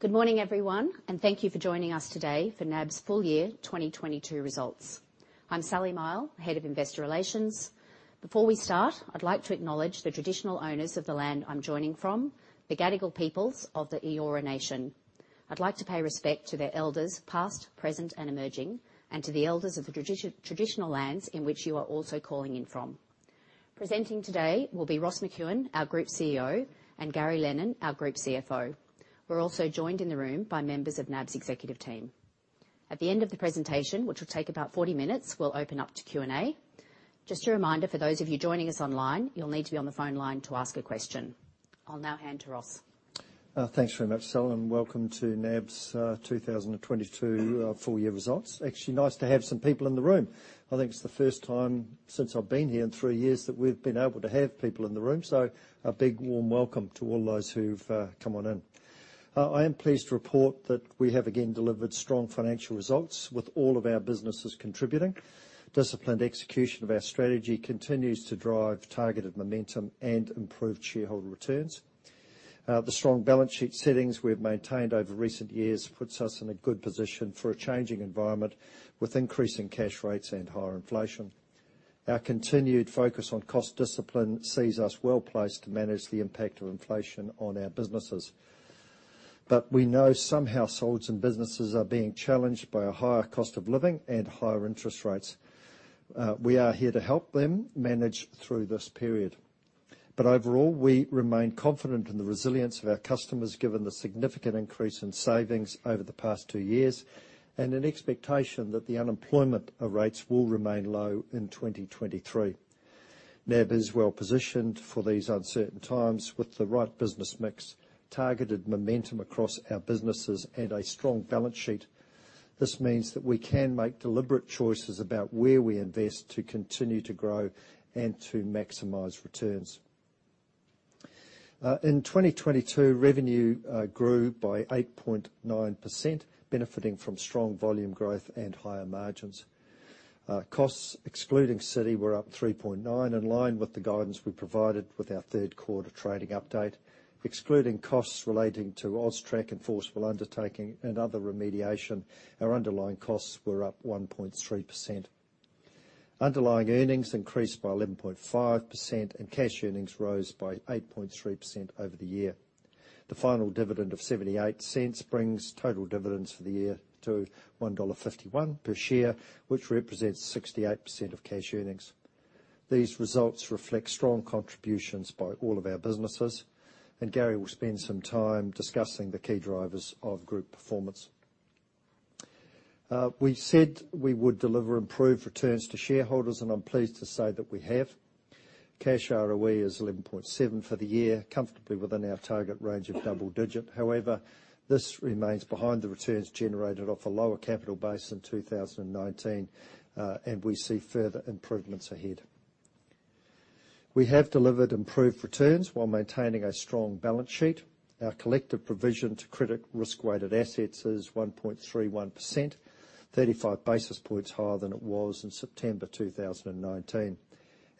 Good morning, everyone, and thank you for joining us today for NAB's Full Year 2022 Results. I'm Sally Mihell, Head of Investor Relations. Before we start, I'd like to acknowledge the traditional owners of the land I'm joining from, the Gadigal peoples of the Eora Nation. I'd like to pay respect to their elders past, present, and emerging, and to the elders of the traditional lands in which you are also calling in from. Presenting today will be Ross McEwan, our group CEO, and Gary Lennon, our group CFO. We're also joined in the room by members of NAB's executive team. At the end of the presentation, which will take about 40 minutes, we'll open up to Q&A. Just a reminder for those of you joining us online, you'll need to be on the phone line to ask a question. I'll now hand to Ross. Thanks very much, Sal, and welcome to NAB's 2022 Full Year Results. Actually nice to have some people in the room. I think it's the first time since I've been here in three years that we've been able to have people in the room, so a big warm welcome to all those who've come on in. I am pleased to report that we have again delivered strong financial results with all of our businesses contributing. Disciplined execution of our strategy continues to drive targeted momentum and improved shareholder returns. The strong balance sheet settings we've maintained over recent years puts us in a good position for a changing environment, with increasing cash rates and higher inflation. Our continued focus on cost discipline sees us well-placed to manage the impact of inflation on our businesses. We know some households and businesses are being challenged by a higher cost of living and higher interest rates. We are here to help them manage through this period. Overall, we remain confident in the resilience of our customers given the significant increase in savings over the past two years, and an expectation that the unemployment rates will remain low in 2023. NAB is well positioned for these uncertain times with the right business mix, targeted momentum across our businesses, and a strong balance sheet. This means that we can make deliberate choices about where we invest to continue to grow and to maximize returns. In 2022, revenue grew by 8.9%, benefiting from strong volume growth and higher margins. Costs, excluding Citi, were up 3.9%, in line with the guidance we provided with our third quarter trading update. Excluding costs relating to AUSTRAC and enforceable undertaking and other remediation, our underlying costs were up 1.3%. Underlying earnings increased by 11.5%, and cash earnings rose by 8.3% over the year. The final dividend of 0.78 brings total dividends for the year to AUD 1.51 per share, which represents 68% of cash earnings. These results reflect strong contributions by all of our businesses, and Gary will spend some time discussing the key drivers of group performance. We said we would deliver improved returns to shareholders, and I'm pleased to say that we have. Cash ROE is 11.7% for the year, comfortably within our target range of double-digit. However, this remains behind the returns generated off a lower capital base in 2019, and we see further improvements ahead. We have delivered improved returns while maintaining a strong balance sheet. Our collective provision to credit risk weighted assets is 1.31%, 35 basis points higher than it was in September 2019.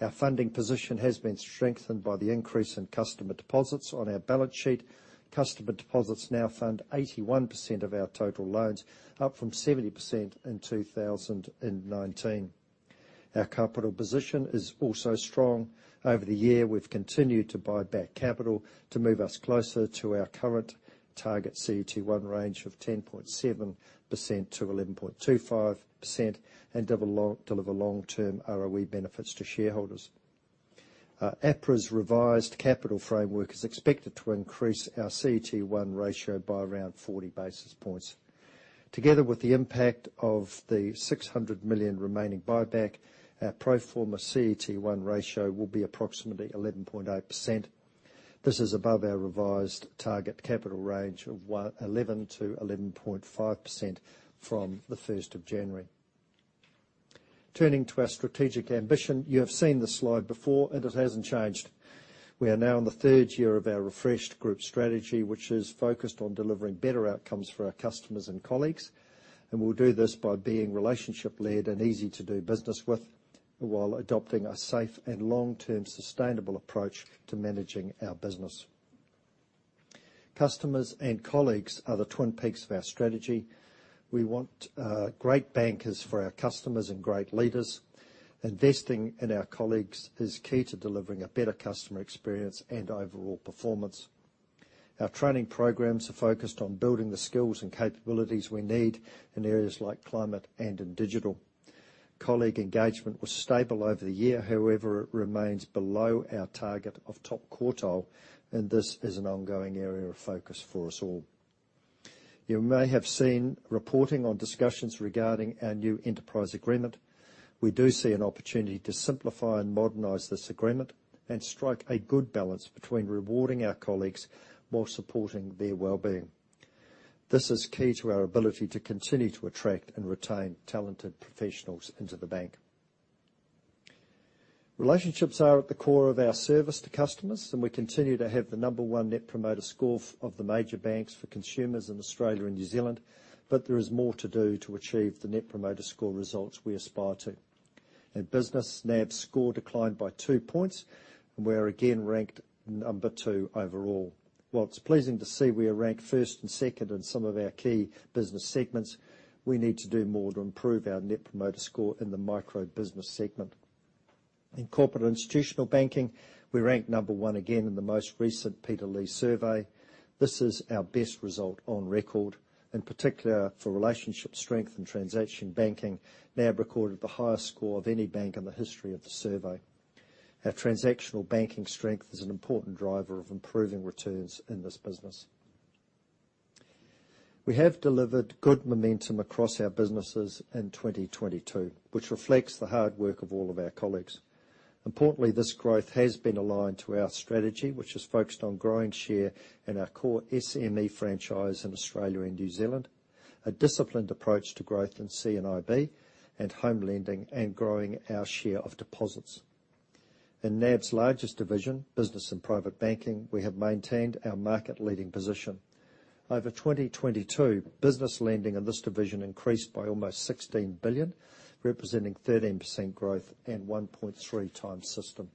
Our funding position has been strengthened by the increase in customer deposits. On our balance sheet, customer deposits now fund 81% of our total loans, up from 70% in 2019. Our capital position is also strong. Over the year, we've continued to buy back capital to move us closer to our current target CET1 range of 10.7%-11.25% and deliver long-term ROE benefits to shareholders. APRA's revised capital framework is expected to increase our CET1 ratio by around 40 basis points. Together with the impact of the 600 million remaining buyback, our pro forma CET1 ratio will be approximately 11.8%. This is above our revised target capital range of 11-11.5% from the first of January. Turning to our strategic ambition, you have seen this slide before and it hasn't changed. We are now in the third year of our refreshed group strategy, which is focused on delivering better outcomes for our customers and colleagues, and we'll do this by being relationship-led and easy to do business with, while adopting a safe and long-term sustainable approach to managing our business. Customers and colleagues are the twin peaks of our strategy. We want great bankers for our customers and great leaders. Investing in our colleagues is key to delivering a better customer experience and overall performance. Our training programs are focused on building the skills and capabilities we need in areas like climate and in digital. Colleague engagement was stable over the year. However, it remains below our target of top quartile, and this is an ongoing area of focus for us all. You may have seen reporting on discussions regarding our new enterprise agreement. We do see an opportunity to simplify and modernize this agreement and strike a good balance between rewarding our colleagues while supporting their well-being. This is key to our ability to continue to attract and retain talented professionals into the bank. Relationships are at the core of our service to customers, and we continue to have the number one Net Promoter Score of the major banks for consumers in Australia and New Zealand, but there is more to do to achieve the Net Promoter Score results we aspire to. In business, NAB score declined by 2 points. We are again ranked number two overall. While it's pleasing to see we are ranked first and second in some of our key business segments, we need to do more to improve our Net Promoter Score in the micro-business segment. In Corporate and Institutional Banking, we ranked number one again in the most recent Peter Lee survey. This is our best result on record, in particular for relationship strength and transaction banking. NAB recorded the highest score of any bank in the history of the survey. Our transactional banking strength is an important driver of improving returns in this business. We have delivered good momentum across our businesses in 2022, which reflects the hard work of all of our colleagues. Importantly, this growth has been aligned to our strategy, which is focused on growing share in our core SME franchise in Australia and New Zealand, a disciplined approach to growth in C&IB and home lending and growing our share of deposits. In NAB's largest division, Business and Private Banking, we have maintained our market-leading position. Over 2022, business lending in this division increased by almost 16 billion, representing 13% growth and 1.3 times system.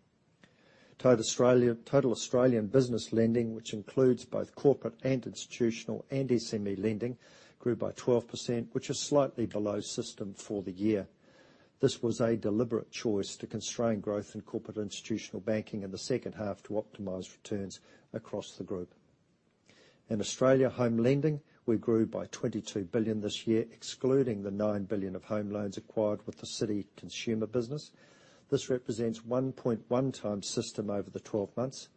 Total Australian business lending, which includes both corporate and institutional and SME lending, grew by 12%, which is slightly below system for the year. This was a deliberate choice to constrain growth in corporate and institutional banking in the second half to optimize returns across the group. In Australian home lending, we grew by 22 billion this year, excluding the 9 billion of home loans acquired with the Citi Consumer Business. This represents 1.1 times system over the 12 months.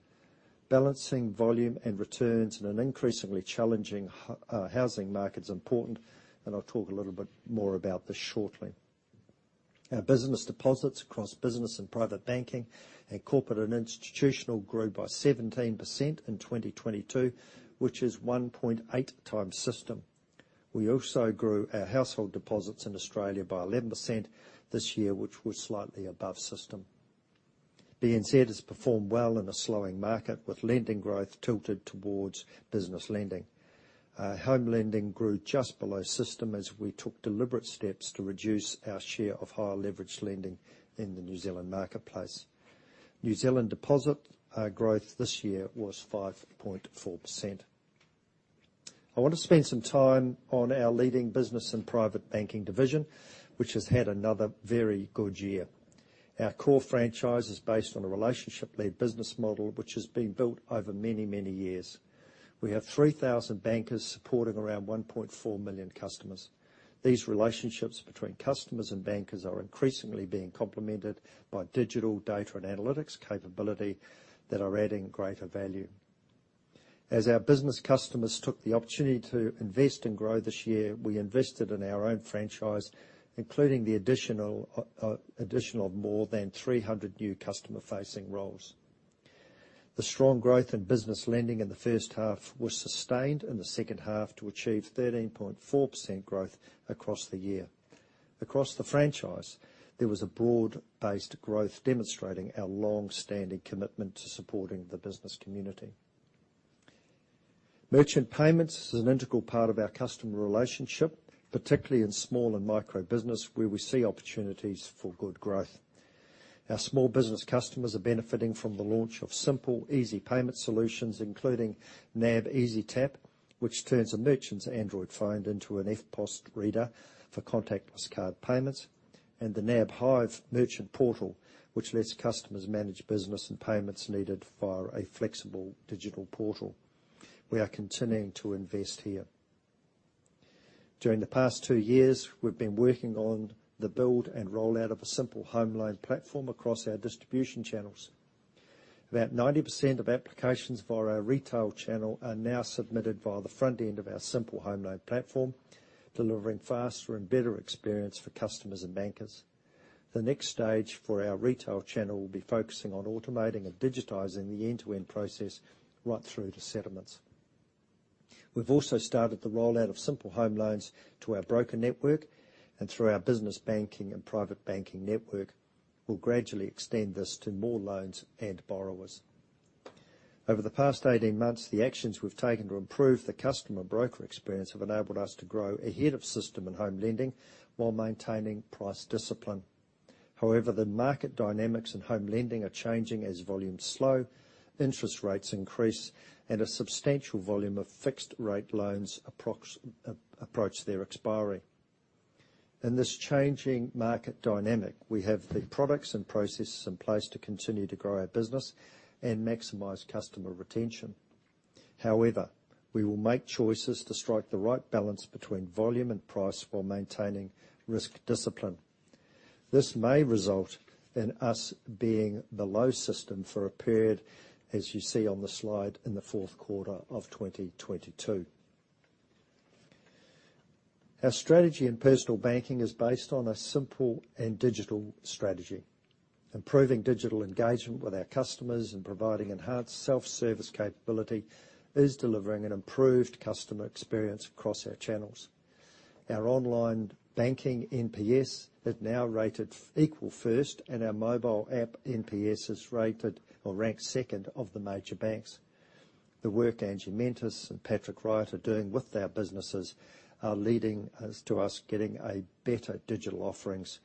Balancing volume and returns in an increasingly challenging housing market is important, and I'll talk a little bit more about this shortly. Our business deposits across business and private banking and corporate and institutional grew by 17% in 2022, which is 1.8 times system. We also grew our household deposits in Australia by 11% this year, which was slightly above system. BNZ has performed well in a slowing market, with lending growth tilted towards business lending. Our home lending grew just below system as we took deliberate steps to reduce our share of higher-leveraged lending in the New Zealand marketplace. New Zealand deposit growth this year was 5.4%. I want to spend some time on our leading business and private banking division, which has had another very good year. Our core franchise is based on a relationship-led business model, which has been built over many, many years. We have 3,000 bankers supporting around 1.4 million customers. These relationships between customers and bankers are increasingly being complemented by digital data and analytics capability that are adding greater value. As our business customers took the opportunity to invest and grow this year, we invested in our own franchise, including the addition of more than 300 new customer-facing roles. The strong growth in business lending in the first half was sustained in the second half to achieve 13.4% growth across the year. Across the franchise, there was a broad-based growth demonstrating our long-standing commitment to supporting the business community. Merchant payments is an integral part of our customer relationship, particularly in small and micro business, where we see opportunities for good growth. Our small business customers are benefiting from the launch of simple, easy payment solutions, including NAB Easy Tap, which turns a merchant's Android phone into an EFTPOS reader for contactless card payments, and the NAB Hive Merchant Portal, which lets customers manage business and payments needed via a flexible digital portal. We are continuing to invest here. During the past two years, we've been working on the build and rollout of a simple home loan platform across our distribution channels. About 90% of applications via our retail channel are now submitted via the front end of our simple home loan platform, delivering faster and better experience for customers and bankers. The next stage for our retail channel will be focusing on automating and digitizing the end-to-end process right through to settlements. We've also started the rollout of simple home loans to our broker network and through our business banking and private banking network. We'll gradually extend this to more loans and borrowers. Over the past 18 months, the actions we've taken to improve the customer broker experience have enabled us to grow ahead of system and home lending while maintaining price discipline. However, the market dynamics in home lending are changing as volumes slow, interest rates increase, and a substantial volume of fixed-rate loans approach their expiry. In this changing market dynamic, we have the products and processes in place to continue to grow our business and maximize customer retention. However, we will make choices to strike the right balance between volume and price while maintaining risk discipline. This may result in us being below system for a period, as you see on the slide in the fourth quarter of 2022. Our strategy in personal banking is based on a simple and digital strategy. Improving digital engagement with our customers and providing enhanced self-service capability is delivering an improved customer experience across our channels. Our online banking NPS is now rated equal first, and our mobile app NPS is rated or ranked second of the major banks. The work Angela Mentis and Patrick Wright are doing with our businesses are leading us to getting a better digital offerings,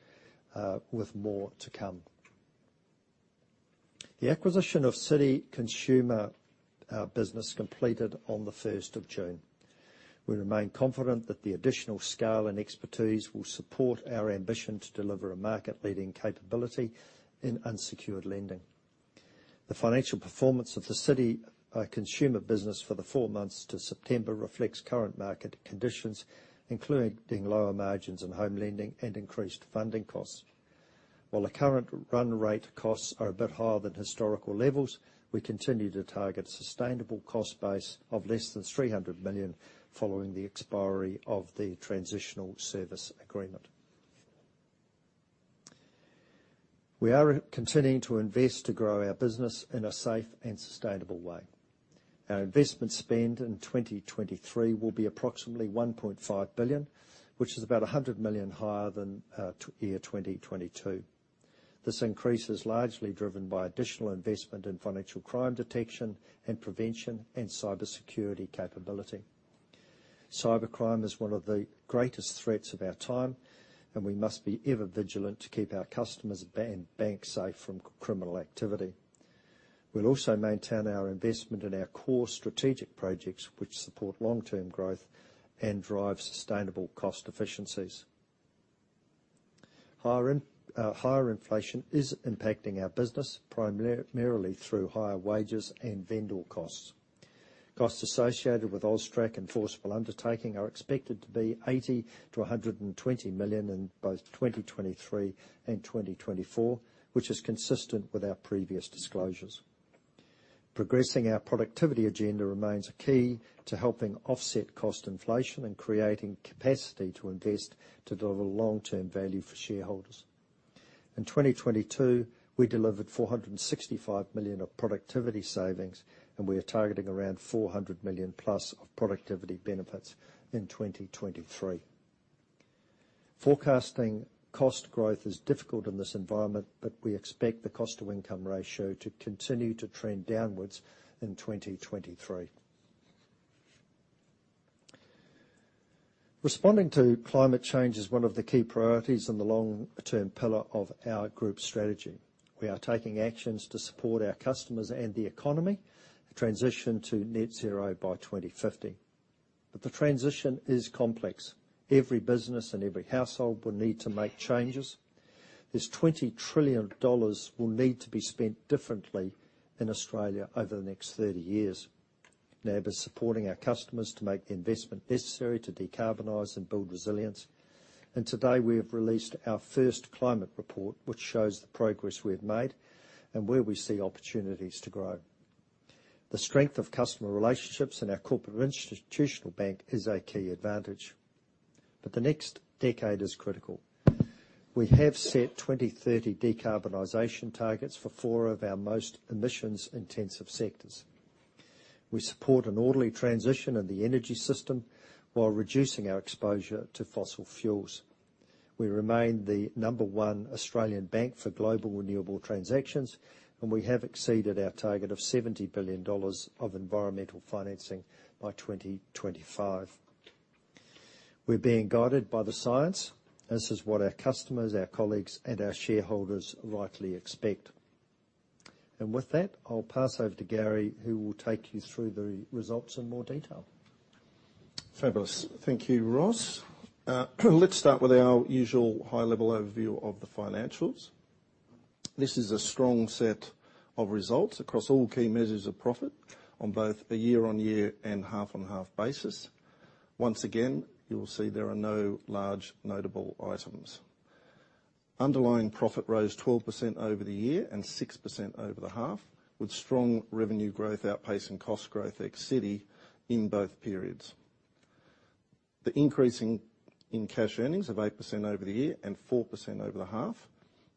with more to come. The acquisition of Citi Consumer Business completed on the 1st of June. We remain confident that the additional scale and expertise will support our ambition to deliver a market-leading capability in unsecured lending. The financial performance of the Citi Consumer Business for the four months to September reflects current market conditions, including lower margins in home lending and increased funding costs. While the current run rate costs are a bit higher than historical levels, we continue to target sustainable cost base of less than 300 million following the expiry of the transitional service agreement. We are continuing to invest to grow our business in a safe and sustainable way. Our investment spend in 2023 will be approximately 1.5 billion, which is about 100 million higher than the year 2022. This increase is largely driven by additional investment in financial crime detection and prevention and cybersecurity capability. Cybercrime is one of the greatest threats of our time, and we must be ever vigilant to keep our customers and bank safe from criminal activity. We'll also maintain our investment in our core strategic projects, which support long-term growth and drive sustainable cost efficiencies. Higher inflation is impacting our business primarily through higher wages and vendor costs. Costs associated with AUSTRAC enforceable undertaking are expected to be 80 million-120 million in both 2023 and 2024, which is consistent with our previous disclosures. Progressing our productivity agenda remains a key to helping offset cost inflation and creating capacity to invest to deliver long-term value for shareholders. In 2022, we delivered 465 million of productivity savings, and we are targeting around 400 million-plus of productivity benefits in 2023. Forecasting cost growth is difficult in this environment, but we expect the cost to income ratio to continue to trend downwards in 2023. Responding to climate change is one of the key priorities in the long-term pillar of our group strategy. We are taking actions to support our customers and the economy, transition to net zero by 2050. The transition is complex. Every business and every household will need to make changes. This 20 trillion dollars will need to be spent differently in Australia over the next 30 years. NAB is supporting our customers to make the investment necessary to decarbonize and build resilience. Today, we have released our first climate report, which shows the progress we have made and where we see opportunities to grow. The strength of customer relationships in our corporate institutional bank is a key advantage. The next decade is critical. We have set 2030 decarbonization targets for four of our most emissions intensive sectors. We support an orderly transition in the energy system while reducing our exposure to fossil fuels. We remain the number one Australian bank for global renewable transactions, and we have exceeded our target of 70 billion dollars of environmental financing by 2025. We're being guided by the science. This is what our customers, our colleagues, and our shareholders rightly expect. With that, I'll pass over to Gary, who will take you through the results in more detail. Fabulous. Thank you, Ross. Let's start with our usual high-level overview of the financials. This is a strong set of results across all key measures of profit on both a year-on-year and half-on-half basis. Once again, you'll see there are no large notable items. Underlying profit rose 12% over the year and 6% over the half, with strong revenue growth outpacing cost growth ex Citi in both periods. The increase in cash earnings of 8% over the year and 4% over the half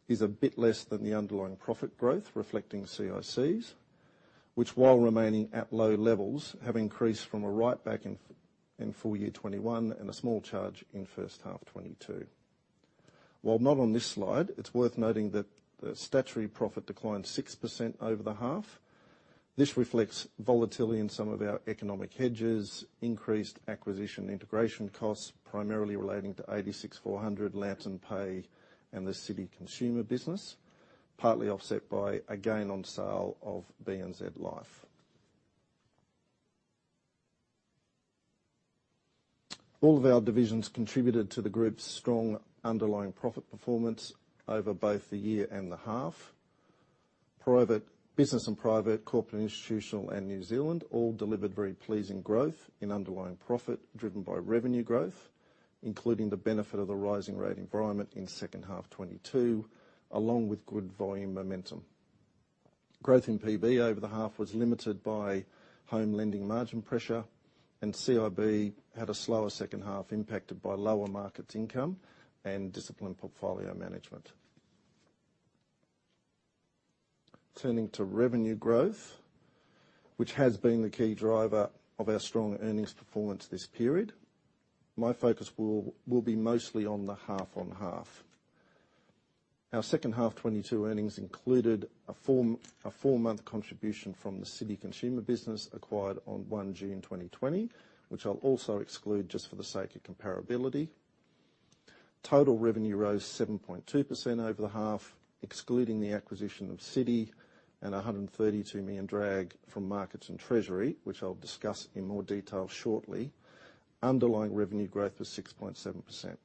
is a bit less than the underlying profit growth reflecting CICs, which while remaining at low levels, have increased from a write-back in full year 2021 and a small charge in first half 2022. While not on this slide, it's worth noting that the statutory profit declined 6% over the half. This reflects volatility in some of our economic hedges, increased acquisition integration costs, primarily relating to 86 400, LanternPay in the Citi Consumer business, partly offset by a gain on sale of BNZ Life. All of our divisions contributed to the group's strong underlying profit performance over both the year and the half. Business and Private, Corporate, Institutional, and New Zealand all delivered very pleasing growth in underlying profit driven by revenue growth, including the benefit of the rising rate environment in second half 2022, along with good volume momentum. Growth in PB over the half was limited by home lending margin pressure, and CIB had a slower second half impacted by lower markets income and disciplined portfolio management. Turning to revenue growth, which has been the key driver of our strong earnings performance this period, my focus will be mostly on the half-on-half. Our second half 2022 earnings included a four-month contribution from the Citi Consumer Business acquired on 1 June 2020, which I'll also exclude just for the sake of comparability. Total revenue rose 7.2% over the half, excluding the acquisition of Citi and an 132 million drag from markets and treasury, which I'll discuss in more detail shortly. Underlying revenue growth was 6.7%.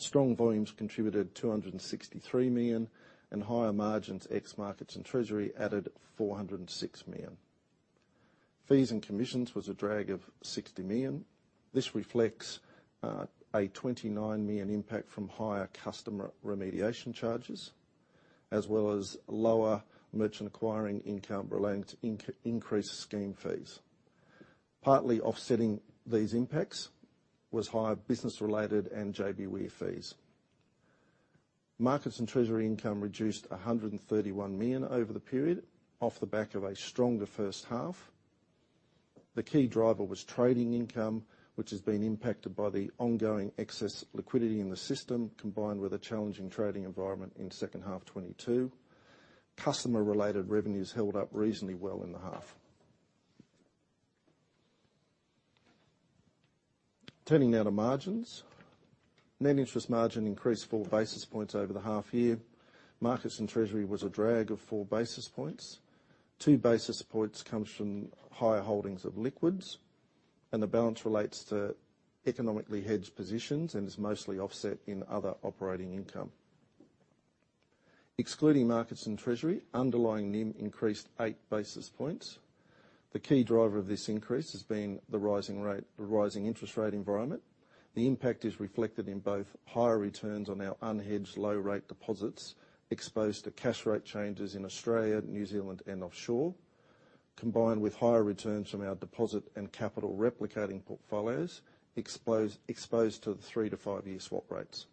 Strong volumes contributed 263 million, and higher margins, ex markets and treasury, added 406 million. Fees and commissions was a drag of 60 million. This reflects a 29 million impact from higher customer remediation charges, as well as lower merchant acquiring income relating to increased scheme fees. Partly offsetting these impacts was higher business-related and JBWere fees. Markets and treasury income reduced 131 million over the period off the back of a stronger first half. The key driver was trading income, which has been impacted by the ongoing excess liquidity in the system, combined with a challenging trading environment in the second half 2022. Customer-related revenues held up reasonably well in the half. Turning now to margins. Net interest margin increased four basis points over the half year. Markets and treasury was a drag of four basis points. Two basis points comes from higher holdings of liquids, and the balance relates to economically hedged positions, and is mostly offset in other operating income. Excluding markets and treasury, underlying NIM increased 8 basis points. The key driver of this increase has been the rising rate, the rising interest rate environment. The impact is reflected in both higher returns on our unhedged low rate deposits exposed to cash rate changes in Australia, New Zealand and offshore, combined with higher returns from our deposit and capital replicating portfolios exposed to the 3 to 5 year swap rates.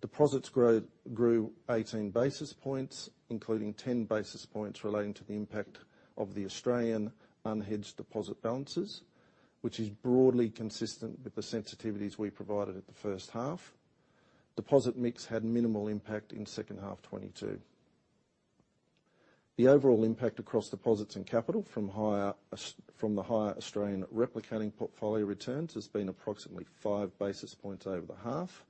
Deposits grew 18 basis points, including 10 basis points relating to the impact of the Australian unhedged deposit balances, which is broadly consistent with the sensitivities we provided at the first half. Deposit mix had minimal impact in second half 2022. The overall impact across deposits and capital from higher Australian replicating portfolio returns has been approximately five basis points over the half,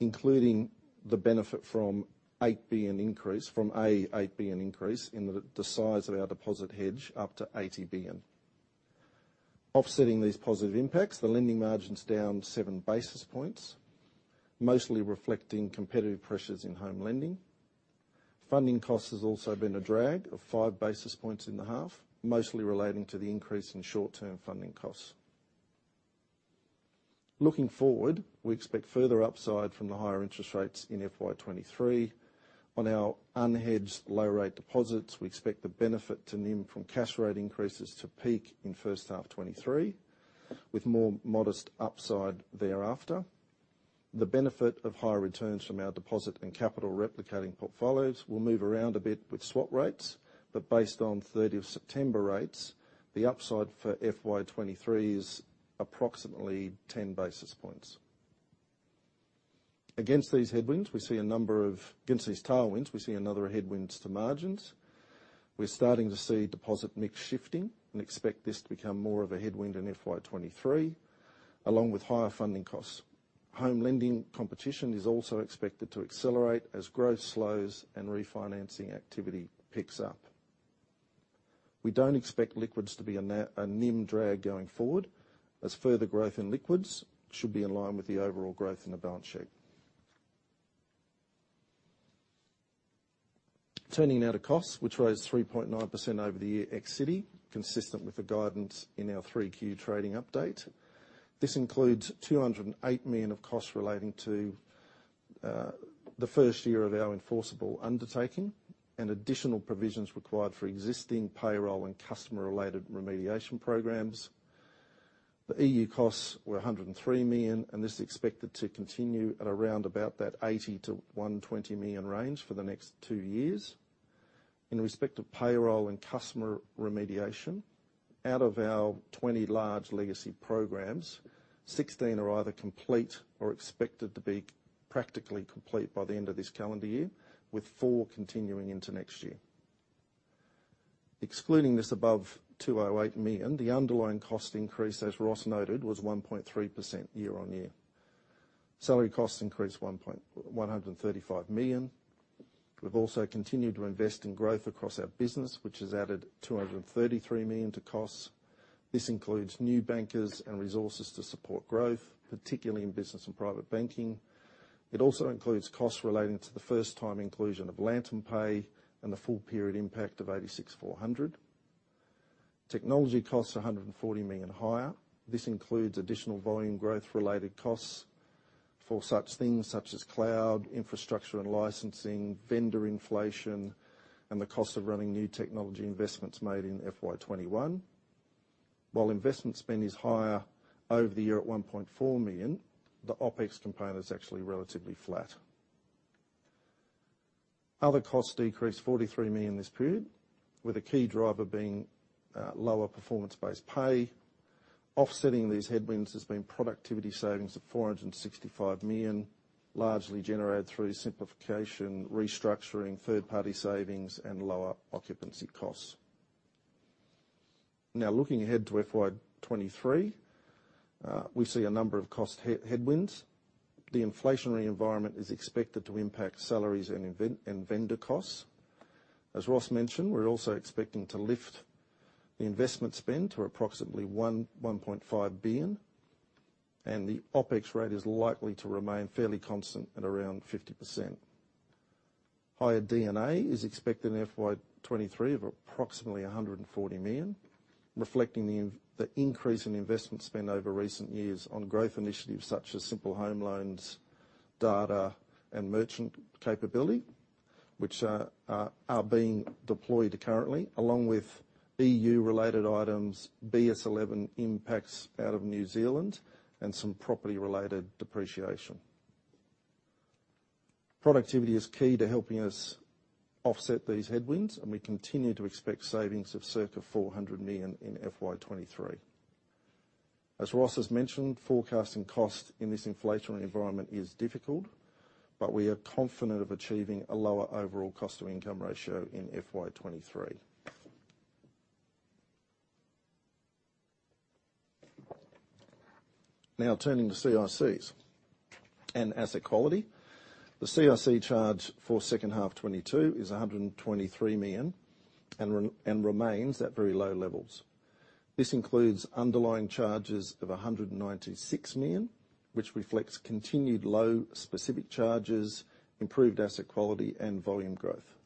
including the benefit from an 8 billion increase in the size of our deposit hedge up to 80 billion. Offsetting these positive impacts, the lending margin's down seven basis points, mostly reflecting competitive pressures in home lending. Funding costs has also been a drag of five basis points in the half, mostly relating to the increase in short-term funding costs. Looking forward, we expect further upside from the higher interest rates in FY23. On our unhedged low rate deposits, we expect the benefit to NIM from cash rate increases to peak in first half 2023, with more modest upside thereafter. The benefit of higher returns from our deposit and capital replicating portfolios will move around a bit with swap rates. Based on 30 September rates, the upside for FY23 is approximately 10 basis points. Against these tailwinds, we see a number of headwinds to margins. We're starting to see deposit mix shifting and expect this to become more of a headwind in FY23, along with higher funding costs. Home lending competition is also expected to accelerate as growth slows and refinancing activity picks up. We don't expect liquids to be a NIM drag going forward, as further growth in liquids should be in line with the overall growth in the balance sheet. Turning now to costs, which rose 3.9% over the year ex-Citi, consistent with the guidance in our 3Q trading update. This includes 208 million of costs relating to the first year of our enforceable undertaking and additional provisions required for existing payroll and customer-related remediation programs. The EU costs were 103 million, and this is expected to continue at around about that 80-120 million range for the next two years. In respect of payroll and customer remediation, out of our 20 large legacy programs, 16 are either complete or expected to be practically complete by the end of this calendar year, with four continuing into next year. Excluding this above 208 million, the underlying cost increase, as Ross noted, was 1.3% year-on-year. Salary costs increased 135 million. We've also continued to invest in growth across our business, which has added 233 million to costs. This includes new bankers and resources to support growth, particularly in Business and Private Banking. It also includes costs relating to the first time inclusion of LanternPay and the full period impact of 86 400. Technology costs are 140 million higher. This includes additional volume growth-related costs for such things such as cloud, infrastructure and licensing, vendor inflation, and the cost of running new technology investments made in FY21. While investment spend is higher over the year at 1.4 million, the OpEx component is actually relatively flat. Other costs decreased 43 million this period, with a key driver being lower performance-based pay. Offsetting these headwinds has been productivity savings of 465 million, largely generated through simplification, restructuring, third-party savings, and lower occupancy costs. Now, looking ahead to FY23, we see a number of cost headwinds. The inflationary environment is expected to impact salaries and vendor costs. As Ross mentioned, we're also expecting to lift the investment spend to approximately 1.5 billion, and the OpEx rate is likely to remain fairly constant at around 50%. Higher D&A is expected in FY 2023 of approximately 140 million, reflecting the increase in investment spend over recent years on growth initiatives such as simple home loans, data, and merchant capability, which are being deployed currently, along with EU-related items, BS11 impacts out of New Zealand, and some property-related depreciation. Productivity is key to helping us offset these headwinds, and we continue to expect savings of circa 400 million in FY 2023. As Ross has mentioned, forecasting cost in this inflationary environment is difficult, but we are confident of achieving a lower overall cost-to-income ratio in FY 2023. Now, turning to CICs and asset quality. The CIC charge for second half 2022 is 123 million and remains at very low levels. This includes underlying charges of 196 million, which reflects continued low specific charges, improved asset quality, and volume growth.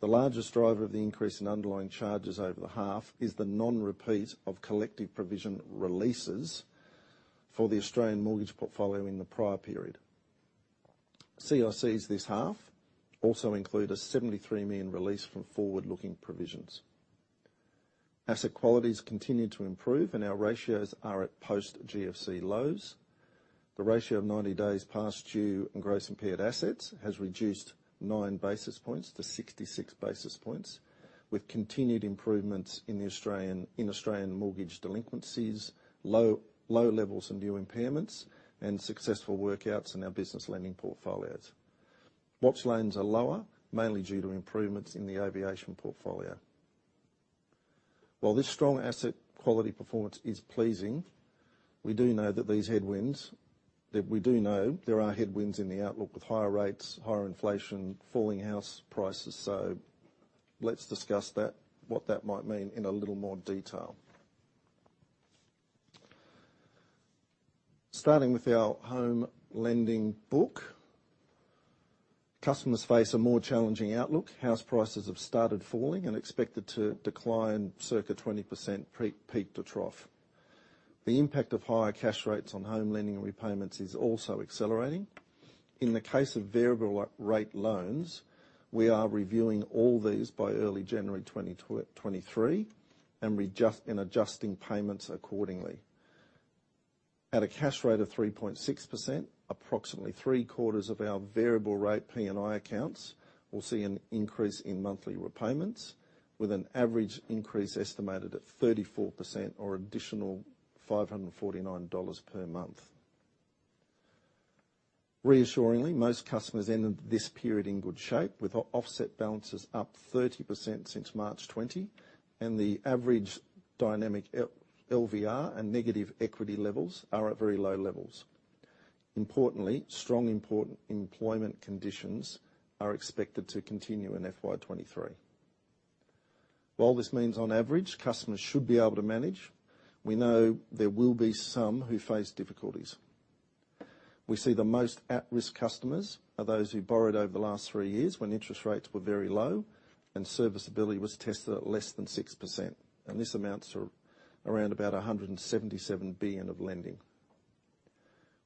The largest driver of the increase in underlying charges over the half is the non-repeat of collective provision releases for the Australian mortgage portfolio in the prior period. CICs this half also include a 73 million release from forward-looking provisions. Asset qualities continue to improve, and our ratios are at post GFC lows. The ratio of 90 days past due in gross impaired assets has reduced 9 basis points to 66 basis points, with continued improvements in Australian mortgage delinquencies, low levels of new impairments, and successful workouts in our business lending portfolios. Watchlist loans are lower, mainly due to improvements in the aviation portfolio. While this strong asset quality performance is pleasing, we do know there are headwinds in the outlook with higher rates, higher inflation, falling house prices, so let's discuss that, what that might mean in a little more detail. Starting with our home lending book, customers face a more challenging outlook. House prices have started falling and expected to decline circa 20% pre-peak to trough. The impact of higher cash rates on home lending and repayments is also accelerating. In the case of variable rate loans, we are reviewing all these by early January 2023 and adjusting payments accordingly. At a cash rate of 3.6%, approximately three-quarters of our variable rate P&I accounts will see an increase in monthly repayments with an average increase estimated at 34% or additional 549 dollars per month. Reassuringly, most customers ended this period in good shape with offset balances up 30% since March 2020, and the average dynamic LVR and negative equity levels are at very low levels. Importantly, strong employment conditions are expected to continue in FY 2023. While this means on average, customers should be able to manage, we know there will be some who face difficulties. We see the most at-risk customers are those who borrowed over the last three years when interest rates were very low and serviceability was tested at less than 6%, and this amounts to around about 177 billion of lending.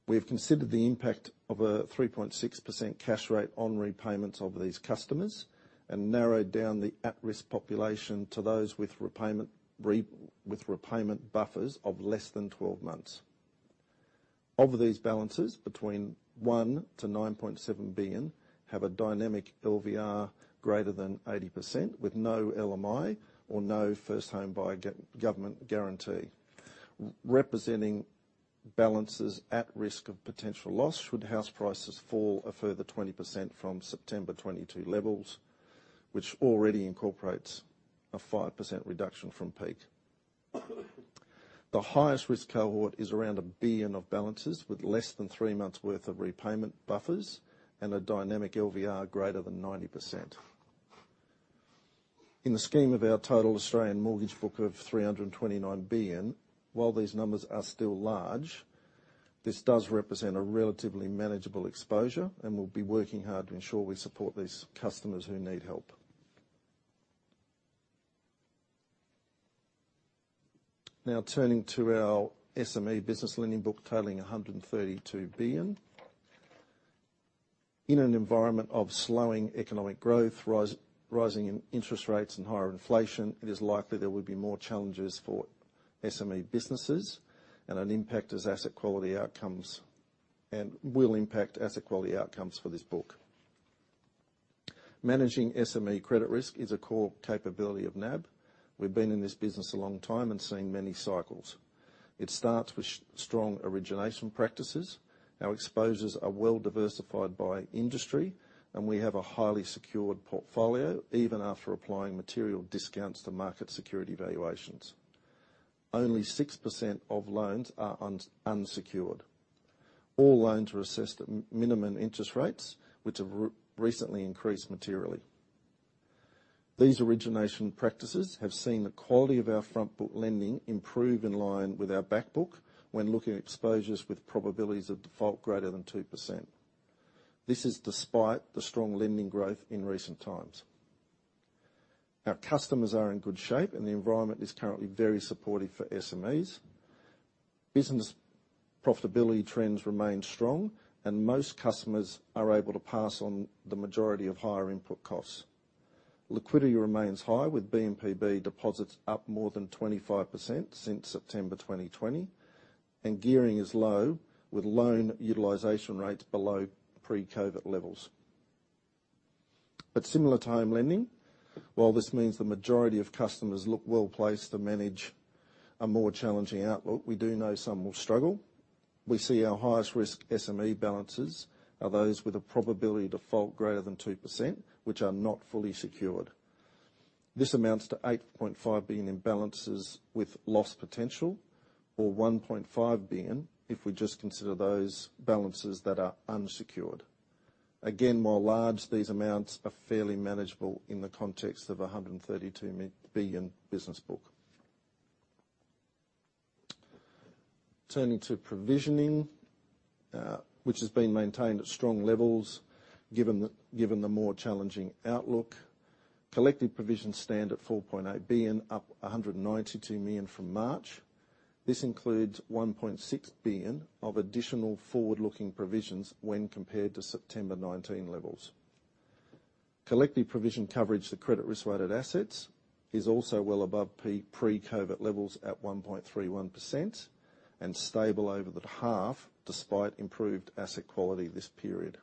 We have considered the impact of a 3.6% cash rate on repayments of these customers and narrowed down the at-risk population to those with repayment buffers of less than 12 months. Of these balances, between 1 billion to 9.7 billion have a dynamic LVR greater than 80% with no LMI or no first home buyer government guarantee. Representing balances at risk of potential loss should house prices fall a further 20% from September 2022 levels, which already incorporates a 5% reduction from peak. The highest risk cohort is around 1 billion of balances with less than 3 months worth of repayment buffers and a dynamic LVR greater than 90%. In the scheme of our total Australian mortgage book of 329 billion, while these numbers are still large, this does represent a relatively manageable exposure, and we'll be working hard to ensure we support these customers who need help. Now, turning to our SME business lending book totaling 132 billion. In an environment of slowing economic growth, rising in interest rates, and higher inflation, it is likely there will be more challenges for SME businesses, and an impact on asset quality outcomes, and will impact asset quality outcomes for this book. Managing SME credit risk is a core capability of NAB. We've been in this business a long time and seen many cycles. It starts with strong origination practices. Our exposures are well diversified by industry, and we have a highly secured portfolio even after applying material discounts to market security valuations. Only 6% of loans are unsecured. All loans are assessed at minimum interest rates, which have recently increased materially. These origination practices have seen the quality of our front book lending improve in line with our back book when looking at exposures with probabilities of default greater than 2%. This is despite the strong lending growth in recent times. Our customers are in good shape, and the environment is currently very supportive for SMEs. Business profitability trends remain strong, and most customers are able to pass on the majority of higher input costs. Liquidity remains high with BNPL deposits up more than 25% since September 2020, and gearing is low, with loan utilization rates below pre-COVID levels. Similar to home lending, while this means the majority of customers look well-placed to manage a more challenging outlook, we do know some will struggle. We see our highest risk SME balances are those with a probability of default greater than 2%, which are not fully secured. This amounts to 8.5 billion in balances with loss potential, or 1.5 billion if we just consider those balances that are unsecured. Again, while large, these amounts are fairly manageable in the context of a 132 billion business book. Turning to provisioning, which has been maintained at strong levels given the more challenging outlook. Collective provisions stand at 4.8 billion, up 192 million from March. This includes 1.6 billion of additional forward-looking provisions when compared to September 2019 levels. Collective provision coverage to credit risk-weighted assets is also well above pre-COVID levels at 1.31% and stable over the half, despite improved asset quality this period.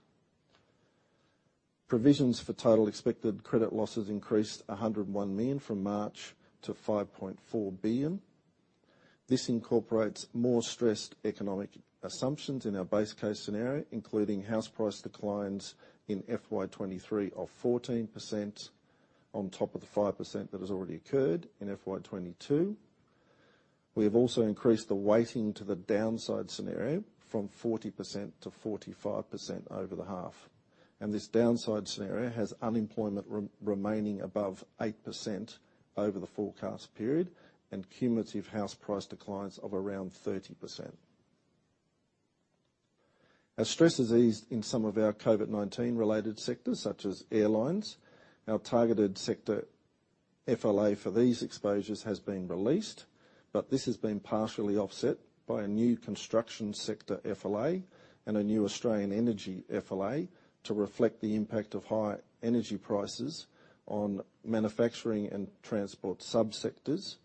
Provisions for total expected credit losses increased 101 million from March to 5.4 billion. This incorporates more stressed economic assumptions in our base case scenario, including house price declines in FY23 of 14% on top of the 5% that has already occurred in FY22. We have also increased the weighting to the downside scenario from 40% to 45% over the half. This downside scenario has unemployment remaining above 8% over the forecast period and cumulative house price declines of around 30%. As stress has eased in some of our COVID-19 related sectors, such as airlines, our targeted sector FLA for these exposures has been released, but this has been partially offset by a new construction sector FLA and a new Australian energy FLA to reflect the impact of high energy prices on manufacturing and transport subsectors,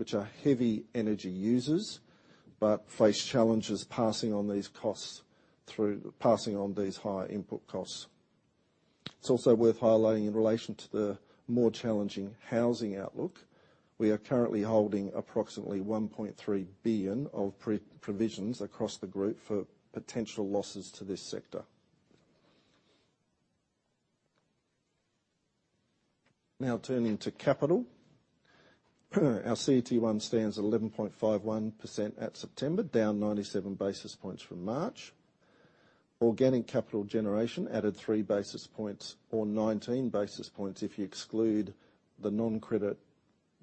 which are heavy energy users but face challenges passing on these high input costs. It's also worth highlighting in relation to the more challenging housing outlook, we are currently holding approximately 1.3 billion of pre-provisions across the group for potential losses to this sector. Now turning to capital. Our CET1 stands at 11.51% at September, down 97 basis points from March. Organic capital generation added 3 basis points or 19 basis points if you exclude the non-credit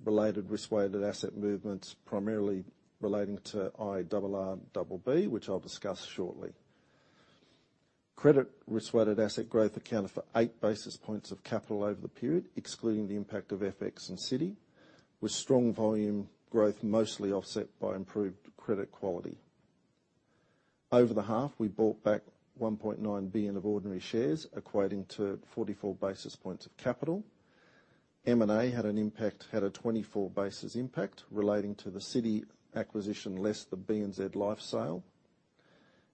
related risk-weighted asset movements, primarily relating to IRRBB, which I'll discuss shortly. Credit risk-weighted asset growth accounted for 8 basis points of capital over the period, excluding the impact of FX and Citi, with strong volume growth mostly offset by improved credit quality. Over the half, we bought back 1.9 billion of ordinary shares, equating to 44 basis points of capital. M&A had a 24 basis impact relating to the Citi acquisition less the BNZ Life sale.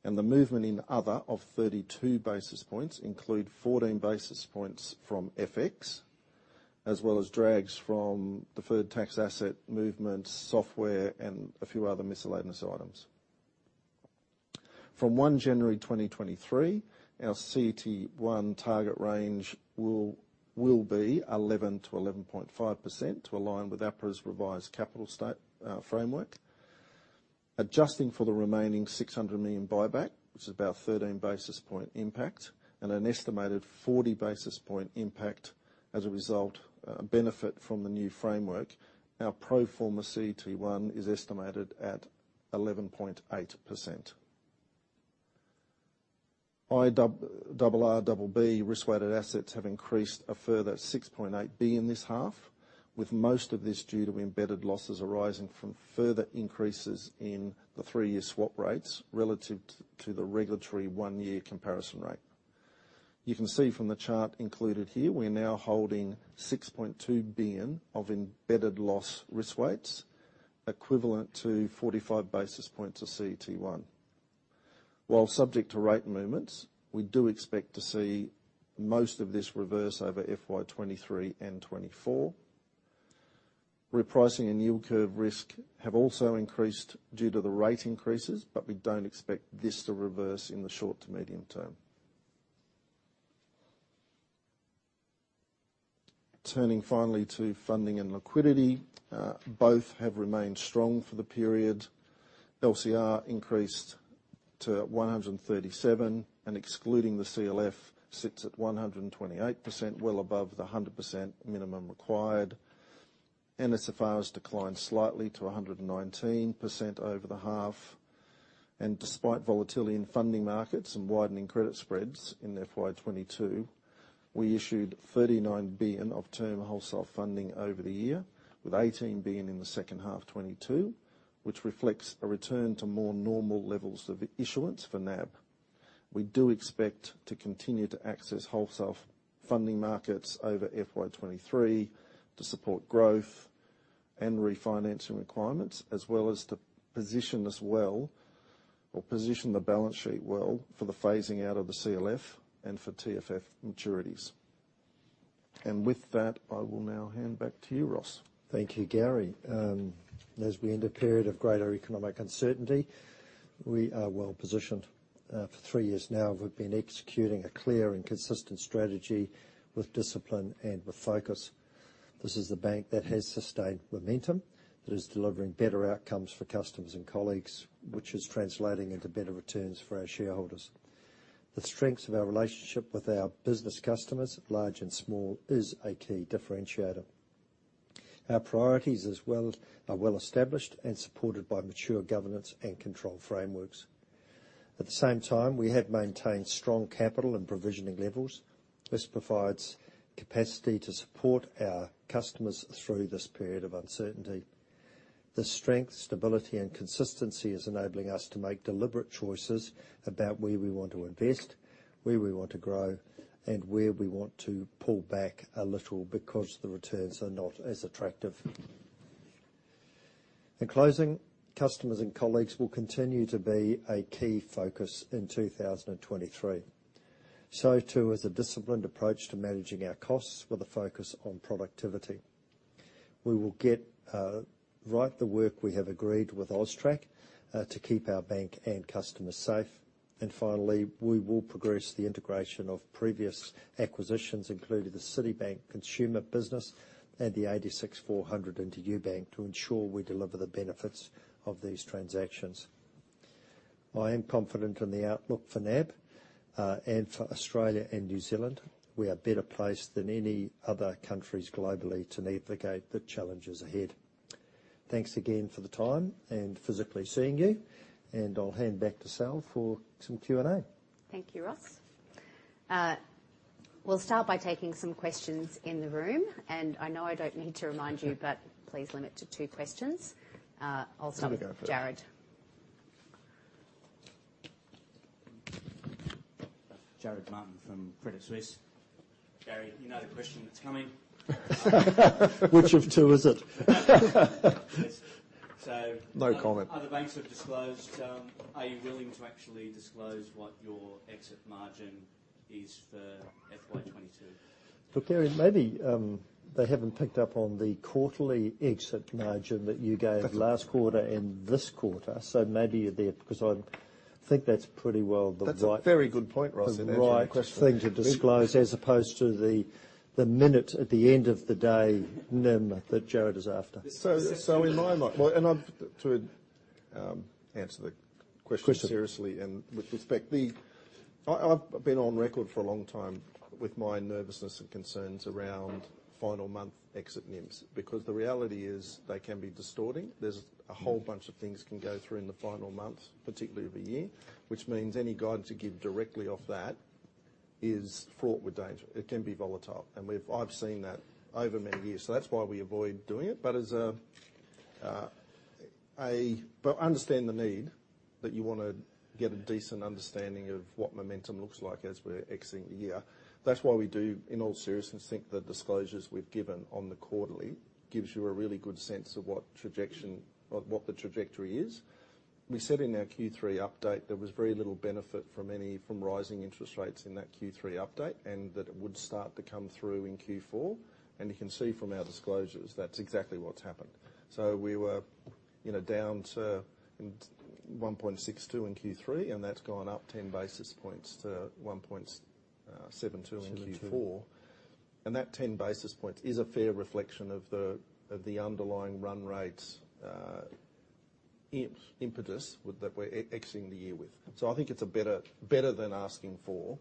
The movement in other of 32 basis points include 14 basis points from FX, as well as drags from deferred tax asset movements, software, and a few other miscellaneous items. From 1 January 2023, our CET1 target range will be 11%-11.5% to align with APRA's revised capital framework. Adjusting for the remaining 600 million buyback, which is about 13 basis points impact, and an estimated 40 basis points impact as a result, benefit from the new framework, our pro forma CET1 is estimated at 11.8%. IRRBB risk-weighted assets have increased a further 6.8 billion this half, with most of this due to embedded losses arising from further increases in the three-year swap rates relative to the regulatory one-year comparison rate. You can see from the chart included here, we're now holding 6.2 billion of embedded loss risk weights, equivalent to 45 basis points of CET1. While subject to rate movements, we do expect to see most of this reverse over FY 2023 and 2024. Repricing and yield curve risk have also increased due to the rate increases, but we don't expect this to reverse in the short to medium term. Turning finally to funding and liquidity, both have remained strong for the period. LCR increased to 137, and excluding the CLF, sits at 128%, well above the 100% minimum required. NSFR has declined slightly to 119% over the half. Despite volatility in funding markets and widening credit spreads in FY 2022, we issued 39 billion of term wholesale funding over the year, with 18 billion in the second half of 2022, which reflects a return to more normal levels of issuance for NAB. We do expect to continue to access wholesale funding markets over FY 2023 to support growth and refinancing requirements, as well as to position us well or position the balance sheet well for the phasing out of the CLF and for TFF maturities. With that, I will now hand back to you, Ross. Thank you, Gary. As we end a period of greater economic uncertainty, we are well-positioned. For three years now, we've been executing a clear and consistent strategy with discipline and with focus. This is the bank that has sustained momentum, that is delivering better outcomes for customers and colleagues, which is translating into better returns for our shareholders. The strength of our relationship with our business customers, large and small, is a key differentiator. Our priorities as well are well established and supported by mature governance and control frameworks. At the same time, we have maintained strong capital and provisioning levels. This provides capacity to support our customers through this period of uncertainty. The strength, stability, and consistency is enabling us to make deliberate choices about where we want to invest, where we want to grow, and where we want to pull back a little because the returns are not as attractive. In closing, customers and colleagues will continue to be a key focus in 2023. A disciplined approach to managing our costs with a focus on productivity. We will get right the work we have agreed with AUSTRAC to keep our bank and customers safe. Finally, we will progress the integration of previous acquisitions, including the Citi Consumer Business and 86 400 into UBank, to ensure we deliver the benefits of these transactions. I am confident in the outlook for NAB and for Australia and New Zealand. We are better placed than any other countries globally to navigate the challenges ahead. Thanks again for the time and physically seeing you, and I'll hand back to Sal for some Q&A. Thank you, Ross. We'll start by taking some questions in the room. I know I don't need to remind you, but please limit to two questions. I'll start with Jarrod. Jarrod Martin from Credit Suisse. Gary, you know the question that's coming. Which of two is it? No comment. Other banks have disclosed, are you willing to actually disclose what your exit margin is for FY 2022? Look, Gary, maybe they haven't picked up on the quarterly exit margin that you gave last quarter and this quarter. Maybe you're there, because I think that's pretty well the right. That's a very good point, Ross. Answer your question. The right thing to disclose as opposed to the minute at the end of the day NIM that Jarrod is after. In my mind, to answer the question seriously and with respect, I've been on record for a long time with my nervousness and concerns around final month exit NIMs, because the reality is they can be distorting. There's a whole bunch of things can go through in the final month, particularly of a year, which means any guide to give directly off that is fraught with danger. It can be volatile, and I've seen that over many years, so that's why we avoid doing it. Understand the need that you wanna get a decent understanding of what momentum looks like as we're exiting the year. That's why we do, in all seriousness, think the disclosures we've given on the quarterly gives you a really good sense of what trajectory, or what the trajectory is. We said in our Q3 update, there was very little benefit from rising interest rates in that Q3 update, and that it would start to come through in Q4. You can see from our disclosures, that's exactly what's happened. We were, you know, down to 1.62 in Q3, and that's gone up ten basis points to 1.72 in Q4. That 10 basis points is a fair reflection of the underlying run rates, impetus with that we're exiting the year with. I think it's better than asking for,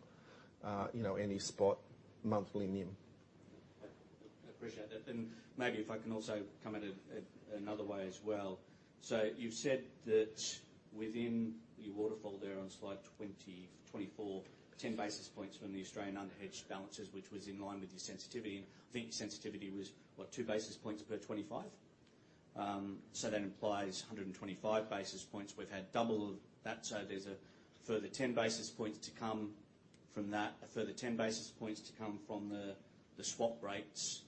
you know, any spot monthly NIM. I appreciate that. Maybe if I can also come at it another way as well. You've said that within your waterfall there on slide 24, 10 basis points from the Australian unhedged balances, which was in line with your sensitivity. I think your sensitivity was, what, 2 basis points per 25? That implies 125 basis points. We've had double of that, there's a further 10 basis points to come from that. A further 10 basis points to come from the swap rates,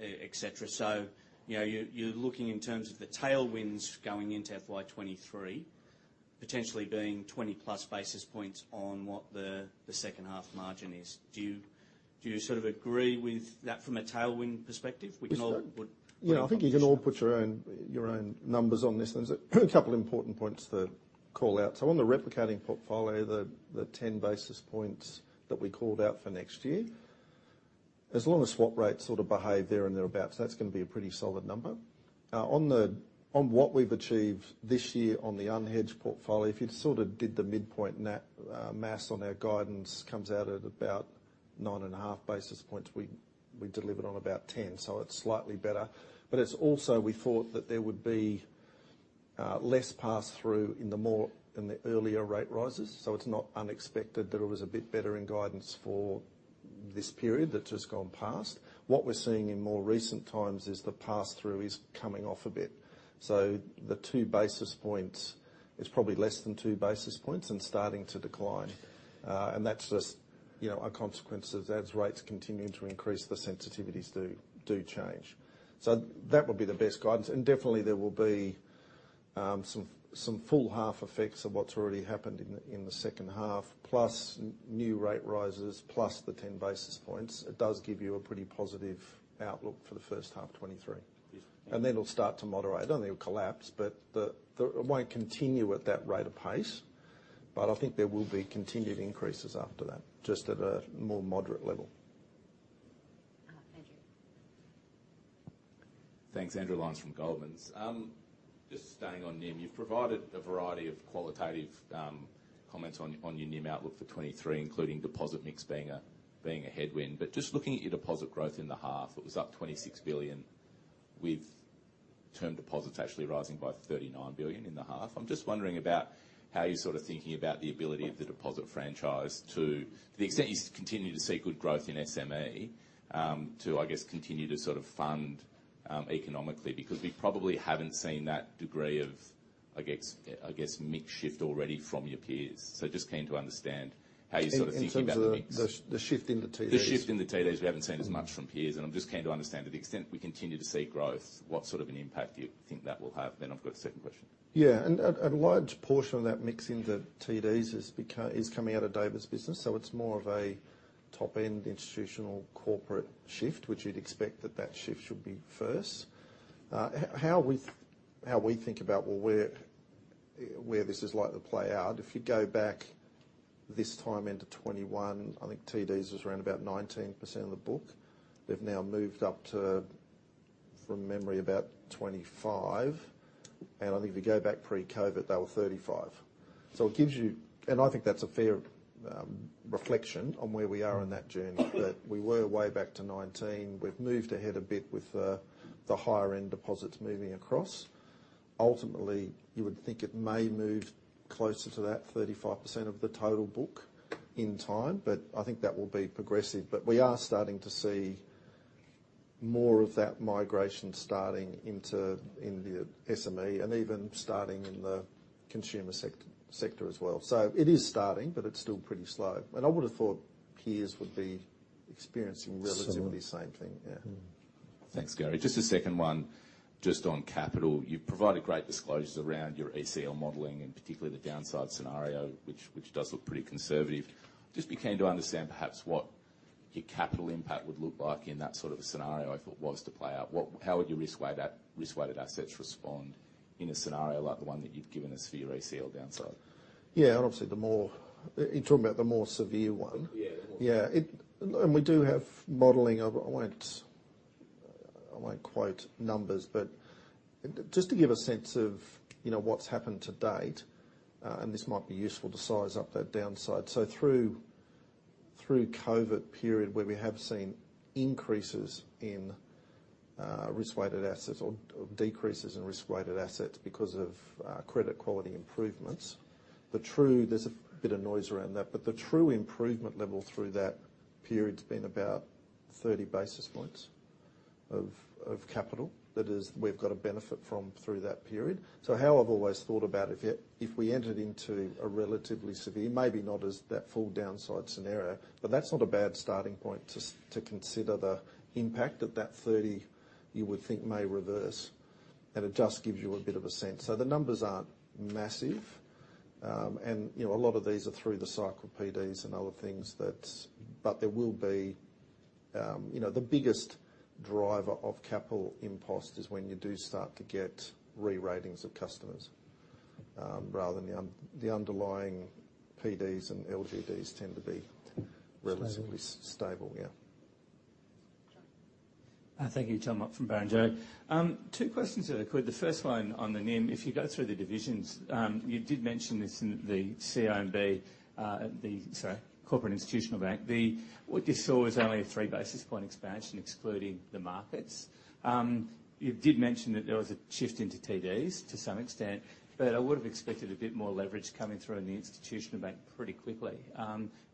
et cetera. You know, you're looking in terms of the tailwinds going into FY 2023, potentially being 20+ basis points on what the second half margin is. Do you sort of agree with that from a tailwind perspective? We can all put- Go on, I'm sorry. Yeah, I think you can all put your own numbers on this. There's a couple important points to call out. On the replicating portfolio, the 10 basis points that we called out for next year, as long as swap rates sort of behave there and thereabouts, that's gonna be a pretty solid number. On what we've achieved this year on the unhedged portfolio, if you'd sort of did the midpoint maths on our guidance, comes out at about 9.5 basis points, we delivered on about 10. It's slightly better. But it's also we thought that there would be less pass through in the earlier rate rises. It's not unexpected that it was a bit better than guidance for this period that's just gone past. What we're seeing in more recent times is the pass-through is coming off a bit. The two basis points, it's probably less than two basis points and starting to decline. That's just, you know, a consequence that as rates continue to increase, the sensitivities do change. That would be the best guidance. Definitely there will be some flow-through effects of what's already happened in the second half, plus new rate rises, plus the 10 basis points. It does give you a pretty positive outlook for the first half 2023. Yes. It'll start to moderate. I don't think it'll collapse, but it won't continue at that rate of pace. I think there will be continued increases after that, just at a more moderate level. Andrew. Thanks. Andrew Lyons from Goldman Sachs. Just staying on NIM, you've provided a variety of qualitative comments on your NIM outlook for 2023, including deposit mix being a headwind. Just looking at your deposit growth in the half, it was up 26 billion, with term deposits actually rising by 39 billion in the half. I'm just wondering about how you're sort of thinking about the ability of the deposit franchise to the extent you continue to see good growth in SME, to I guess continue to sort of fund economically, because we probably haven't seen that degree of I guess mix shift already from your peers. Just keen to understand how you're sort of thinking about the mix. In terms of the shift in the TDs? The shift in the TDs. We haven't seen as much from peers, and I'm just keen to understand to the extent we continue to see growth, what sort of an impact do you think that will have? Then I've got a second question. A large portion of that mix in the TDs is coming out of David's business, so it's more of a top-end institutional corporate shift, which you'd expect that shift should be first. How we think about, well, where this is likely to play out, if you go back this time into 2021, I think TDs was around about 19% of the book. They've now moved up to, from memory, about 25%. I think if you go back pre-COVID, they were 35%. It gives you. I think that's a fair reflection on where we are in that journey. We were way back to 19%. We've moved ahead a bit with the higher end deposits moving across. Ultimately, you would think it may move closer to that 35% of the total book in time, but I think that will be progressive. We are starting to see more of that migration starting into, in the SME and even starting in the consumer sector as well. It is starting, but it's still pretty slow. I would've thought peers would be experiencing relatively the same thing. Similar. Yeah. Thanks, Gary. Just a second one, just on capital. You've provided great disclosures around your ECL modeling and particularly the downside scenario, which does look pretty conservative. Just be keen to understand perhaps what your capital impact would look like in that sort of a scenario if it was to play out. How would your risk-weighted assets respond in a scenario like the one that you've given us for your ECL downside? Yeah, obviously, you're talking about the more severe one? Yeah We do have modeling. I won't quote numbers, but just to give a sense of, you know, what's happened to date, and this might be useful to size up that downside. Through COVID period, where we have seen increases in risk-weighted assets or decreases in risk-weighted assets because of credit quality improvements, there's a bit of noise around that, but the true improvement level through that period's been about 30 basis points of capital. That is, we've got a benefit from through that period. How I've always thought about it, if we entered into a relatively severe, maybe not as bad as that full downside scenario, but that's not a bad starting point to consider the impact of that 30, you would think may reverse, and it just gives you a bit of a sense. The numbers aren't massive. You know, a lot of these are through the cycle PDs and other things. You know, the biggest driver of capital impact is when you do start to get re-ratings of customers rather than the underlying PDs and LGDs tend to be relatively. Stable. Stable, yeah. John. Thank you. Jonathan Mott from Barrenjoey. Two questions if I could. The first one on the NIM. If you go through the divisions, you did mention this in the CIB, the Corporate Institutional Bank. What you saw was only a 3 basis point expansion, excluding the markets. You did mention that there was a shift into TDs to some extent, but I would've expected a bit more leverage coming through in the Institutional Bank pretty quickly.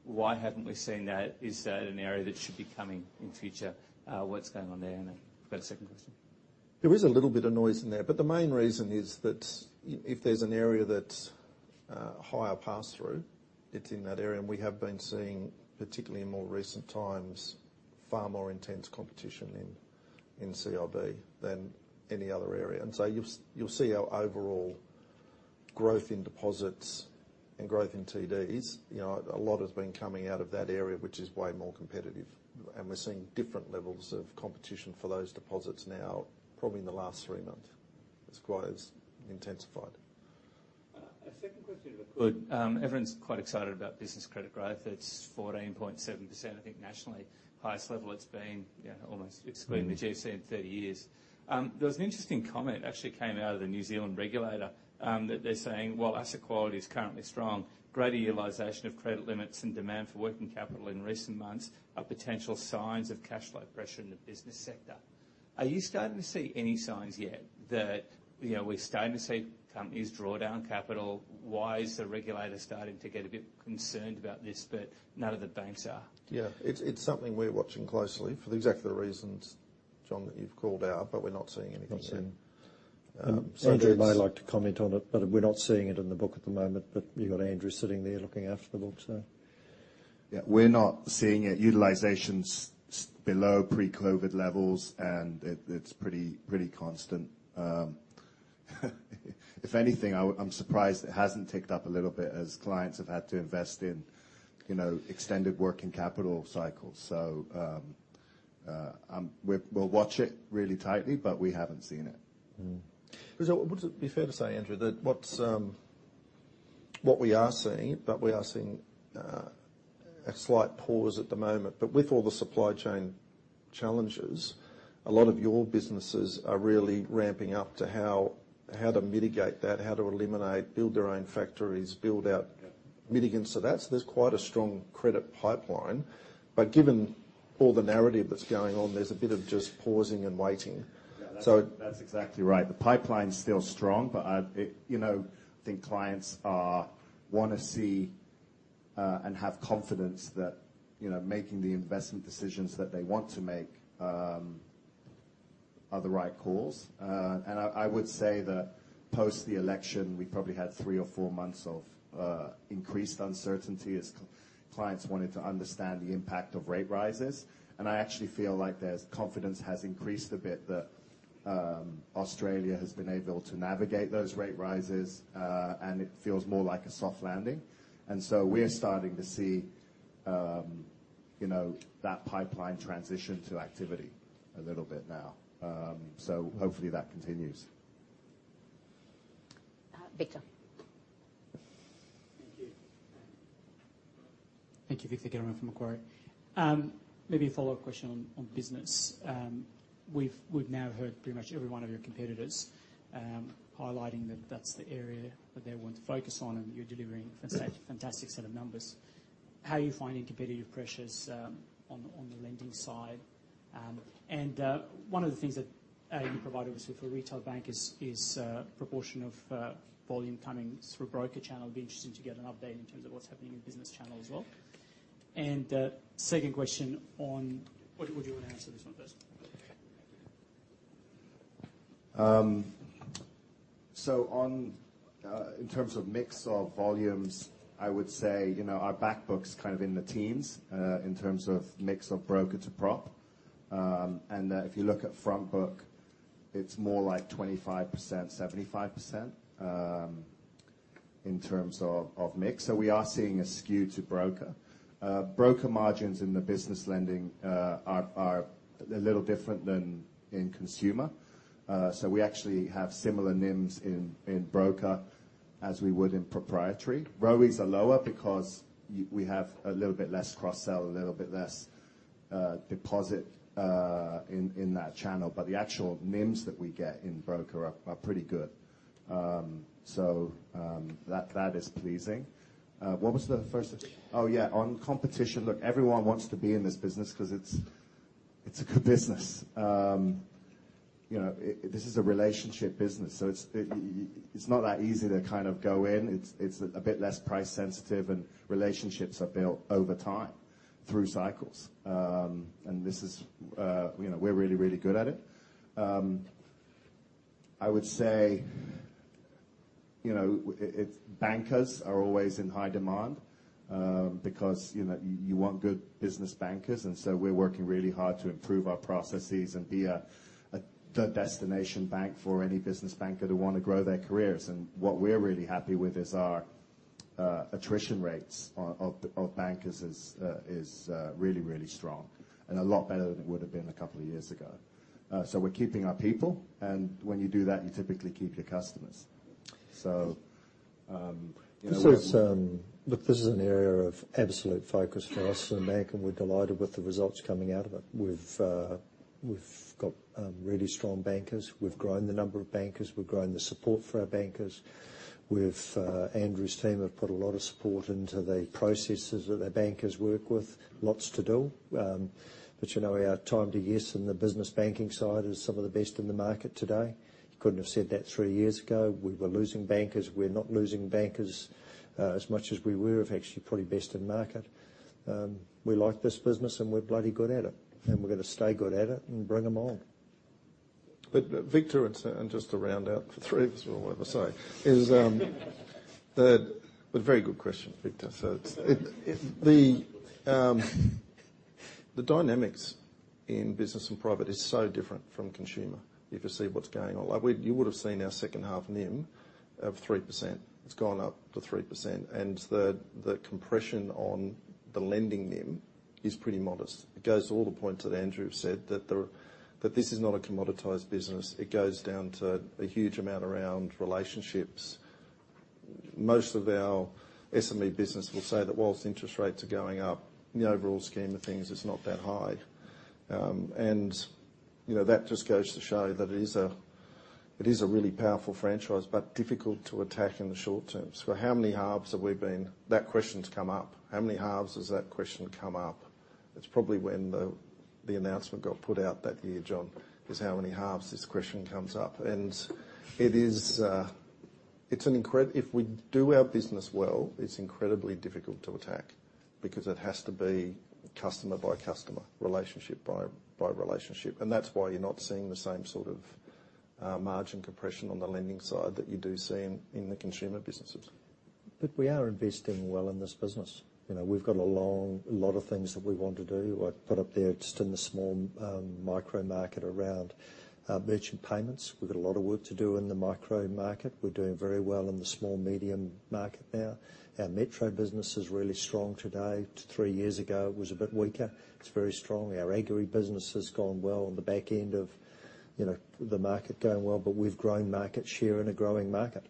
Why haven't we seen that? Is that an area that should be coming in future? What's going on there? I've got a second question. There is a little bit of noise in there, but the main reason is that if there's an area that's higher pass through, it's in that area, and we have been seeing, particularly in more recent times, far more intense competition in CIB than any other area. You'll see our overall growth in deposits and growth in TDs. You know, a lot has been coming out of that area, which is way more competitive. We're seeing different levels of competition for those deposits now, probably in the last three months, it's quite intensified. A second question if I could. Everyone's quite excited about business credit growth. It's 14.7%, I think, nationally, highest level it's been almost excluding the GFC in 30 years. There was an interesting comment, actually came out of the New Zealand regulator, that they're saying while asset quality is currently strong, greater utilization of credit limits and demand for working capital in recent months are potential signs of cash flow pressure in the business sector. Are you starting to see any signs yet that, you know, we're starting to see companies draw down capital? Why is the regulator starting to get a bit concerned about this, but none of the banks are? Yeah. It's something we're watching closely for exactly the reasons, John, that you've called out, but we're not seeing anything yet. Andrew may like to comment on it, but we're not seeing it in the book at the moment. You got Andrew sitting there looking after the book, so. Yeah. We're not seeing it. Utilization's below pre-COVID levels, and it's pretty constant. If anything, I'm surprised it hasn't ticked up a little bit as clients have had to invest in, you know, extended working capital cycles. We'll watch it really tightly, but we haven't seen it. Would it be fair to say, Andrew, that we are seeing a slight pause at the moment? With all the supply chain challenges, a lot of your businesses are really ramping up to how to mitigate that, build their own factories, build out mitigants to that. There's quite a strong credit pipeline. Given all the narrative that's going on, there's a bit of just pausing and waiting. Yeah, that's exactly right. The pipeline is still strong, but you know, I think clients wanna see and have confidence that, you know, making the investment decisions that they want to make are the right calls. I would say that post the election, we probably had three or four months of increased uncertainty as clients wanted to understand the impact of rate rises. I actually feel like their confidence has increased a bit, that Australia has been able to navigate those rate rises and it feels more like a soft landing. We're starting to see you know, that pipeline transition to activity a little bit now. Hopefully that continues. Victor. Thank you. Victor German from Macquarie. Maybe a follow-up question on business. We've now heard pretty much every one of your competitors highlighting that that's the area that they want to focus on, and you're delivering a fantastic set of numbers. How are you finding competitive pressures on the lending side? One of the things that you provided was with the retail bank is proportion of volume coming through broker channel. It'd be interesting to get an update in terms of what's happening in business channel as well. Second question on. What would you want to answer this one first? On in terms of mix of volumes, I would say, you know, our back book's kind of in the teens in terms of mix of broker to prop. If you look at front book, it's more like 25%, 75% in terms of mix. We are seeing a skew to broker. Broker margins in the business lending are a little different than in consumer. We actually have similar NIMs in broker as we would in proprietary. ROEs are lower because we have a little bit less cross-sell, a little bit less deposit in that channel. But the actual NIMs that we get in broker are pretty good. That is pleasing. What was the first? Oh, yeah, on competition. Look, everyone wants to be in this business 'cause it's a good business. You know, this is a relationship business, so it's not that easy to kind of go in. It's a bit less price sensitive, and relationships are built over time through cycles. You know, we're really good at it. I would say, you know, it's bankers are always in high demand, because you know, you want good business bankers, and so we're working really hard to improve our processes and be the destination bank for any business banker to want to grow their careers. What we're really happy with is our attrition rates of bankers is really strong and a lot better than it would have been a couple of years ago. We're keeping our people, and when you do that, you typically keep your customers. You know, we're This is an area of absolute focus for us as a bank, and we're delighted with the results coming out of it. We've got really strong bankers. We've grown the number of bankers. We've grown the support for our bankers. Andrew's team have put a lot of support into the processes that their bankers work with. Lots to do. You know, our time to yes in the business banking side is some of the best in the market today. Couldn't have said that three years ago. We were losing bankers. We're not losing bankers as much as we were. We're actually probably best in market. We like this business, and we're bloody good at it, and we're gonna stay good at it and bring them on. Victor, just to round out the three of us or whatever, the very good question, Victor. It's the dynamics in Business and Private is so different from consumer if you see what's going on. Like you would've seen our second half NIM of 3%. It's gone up to 3%, and the compression on the lending NIM is pretty modest. It goes to all the points that Andrew said, that this is not a commoditized business. It goes down to a huge amount around relationships. Most of our SME business will say that whilst interest rates are going up, in the overall scheme of things, it's not that high. You know, that just goes to show that it is a really powerful franchise, but difficult to attack in the short term. How many halves have we been? That question's come up. How many halves has that question come up? It's probably when the announcement got put out that year, John, is how many halves this question comes up. If we do our business well, it's incredibly difficult to attack because it has to be customer by customer, relationship by relationship, and that's why you're not seeing the same sort of margin compression on the lending side that you do see in the consumer businesses. We are investing well in this business. You know, we've got a lot of things that we want to do. I put up there just in the small micro market around merchant payments. We've got a lot of work to do in the micro market. We're doing very well in the small medium market now. Our metro business is really strong today. Three years ago, it was a bit weaker. It's very strong. Our agri business has gone well on the back end of, you know, the market going well, but we've grown market share in a growing market.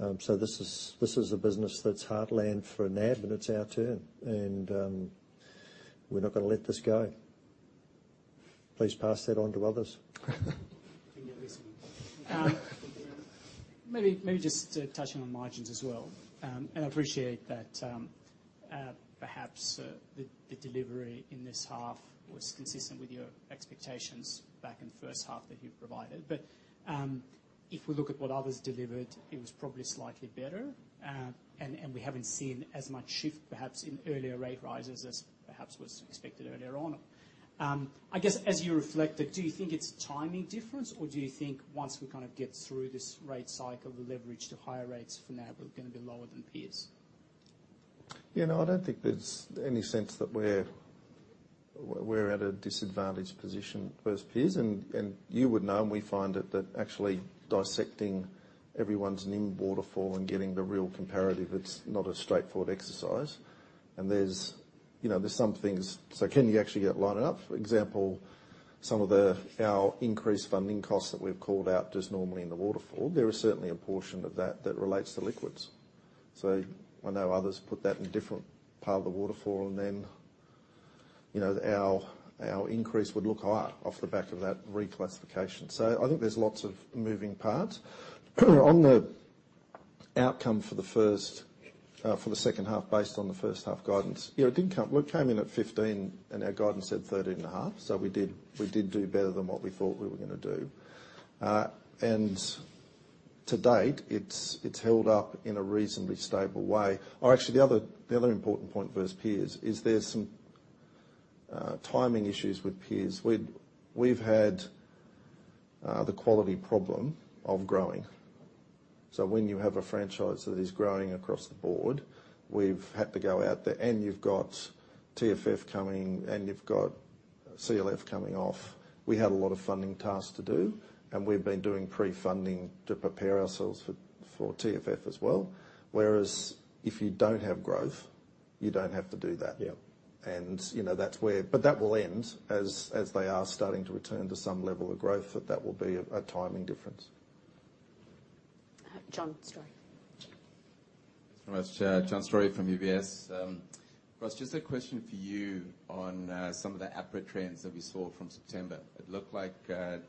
This is a business that's heartland for NAB, and it's our turn, and we're not gonna let this go. Please pass that on to others. Maybe just to touch on margins as well. I appreciate that perhaps the delivery in this half was consistent with your expectations back in the first half that you've provided. If we look at what others delivered, it was probably slightly better. We haven't seen as much shift perhaps in earlier rate rises as perhaps was expected earlier on. I guess as you reflect on it, do you think it's timing difference, or do you think once we kind of get through this rate cycle, the leverage to higher rates for NAB are gonna be lower than peers? You know, I don't think there's any sense that we're at a disadvantaged position versus peers. You would know, and we find it that actually dissecting everyone's NIM waterfall and getting the real comparative, it's not a straightforward exercise. There's, you know, there's some things. Can you actually line it up? For example, some of the, our increased funding costs that we've called out just normally in the waterfall, there is certainly a portion of that that relates to liquids. I know others put that in a different part of the waterfall, and then, you know, our increase would look higher off the back of that reclassification. I think there's lots of moving parts. On the outcome for the second half based on the first half guidance, you know, it didn't come. Well, it came in at 15, and our guidance said 13.5, so we did do better than what we thought we were gonna do. To date, it's held up in a reasonably stable way. Actually, the other important point versus peers is there's some timing issues with peers. We've had the quality problem of growing. When you have a franchise that is growing across the board, we've had to go out there, and you've got TFF coming, and you've got CLF coming off. We had a lot of funding tasks to do, and we've been doing pre-funding to prepare ourselves for TFF as well. Whereas if you don't have growth, you don't have to do that. Yeah. You know, that's where that will end as they are starting to return to some level of growth, but that will be a timing difference. John Storey. Thanks very much, Chair. John Storey from UBS. Ross, just a question for you on some of the APRA trends that we saw from September. It looked like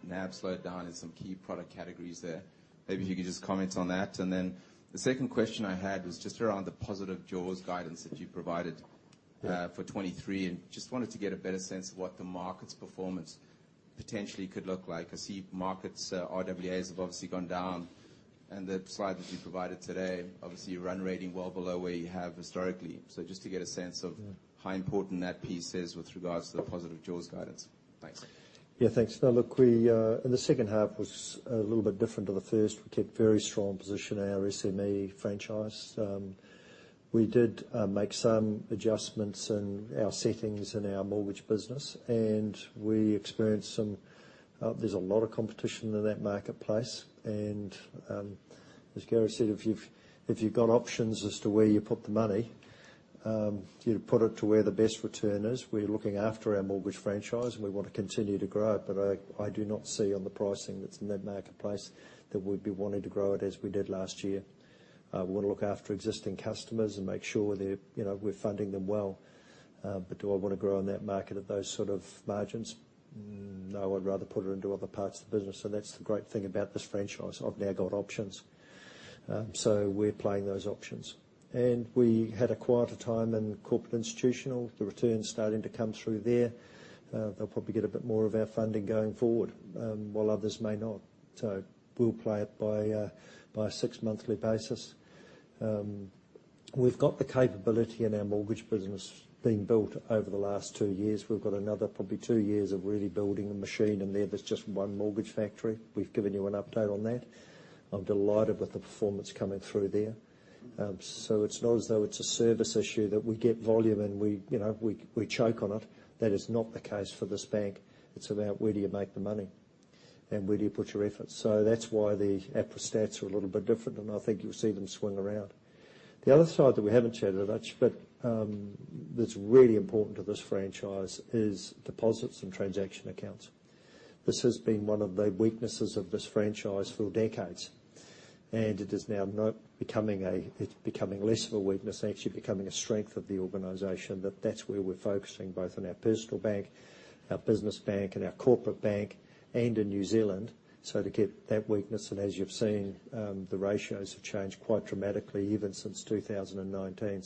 NAB slowed down in some key product categories there. Maybe if you could just comment on that. Then the second question I had was just around the positive jaws guidance that you provided for 2023. Just wanted to get a better sense of what the market's performance potentially could look like. I see markets RWAs have obviously gone down, and the slide that you provided today, obviously you're run rating well below where you have historically. Just to get a sense of how important that piece is with regards to the positive jaws guidance. Thanks. Yeah, thanks. Now, look, we in the second half was a little bit different to the first. We kept very strong position in our SME franchise. We did make some adjustments in our settings in our mortgage business, and we experienced some, there's a lot of competition in that marketplace. As Gary said, if you've got options as to where you put the money, you'd put it to where the best return is. We're looking after our mortgage franchise, and we want to continue to grow it. I do not see on the pricing that's in that marketplace that we'd be wanting to grow it as we did last year. We wanna look after existing customers and make sure they're, you know, we're funding them well. Do I wanna grow in that market at those sort of margins? No, I'd rather put it into other parts of the business. That's the great thing about this franchise. I've now got options. We're playing those options. We had a quieter time in Corporate and Institutional. The returns starting to come through there. They'll probably get a bit more of our funding going forward, while others may not. We'll play it by a six-monthly basis. We've got the capability in our mortgage business being built over the last two years. We've got another probably two years of really building a machine in there. There's just one mortgage factory. We've given you an update on that. I'm delighted with the performance coming through there. It's not as though it's a service issue that we get volume and, you know, we choke on it. That is not the case for this bank. It's about where do you make the money, and where do you put your efforts. That's why the APRA stats are a little bit different, and I think you'll see them swing around. The other side that we haven't chatted much, that's really important to this franchise is deposits and transaction accounts. This has been one of the weaknesses of this franchise for decades, and it is now becoming less of a weakness, actually becoming a strength of the organization. That's where we're focusing both on our personal bank, our business bank, and our corporate bank, and in New Zealand. To get that weakness, and as you've seen, the ratios have changed quite dramatically even since 2019.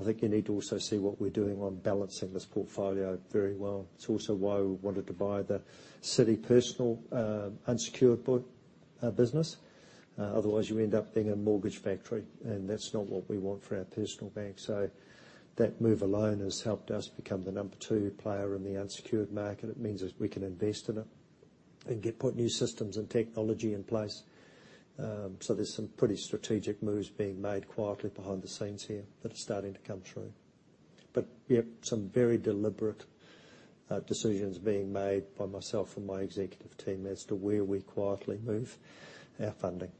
I think you need to also see what we're doing on balancing this portfolio very well. It's also why we wanted to buy the Citi Consumer Business unsecured book business. Otherwise, you end up being a mortgage factory, and that's not what we want for our personal bank. That move alone has helped us become the number two player in the unsecured market. It means we can invest in it and put new systems and technology in place. There's some pretty strategic moves being made quietly behind the scenes here that are starting to come through. Yeah, some very deliberate decisions being made by myself and my executive team as to where we quietly move our funding.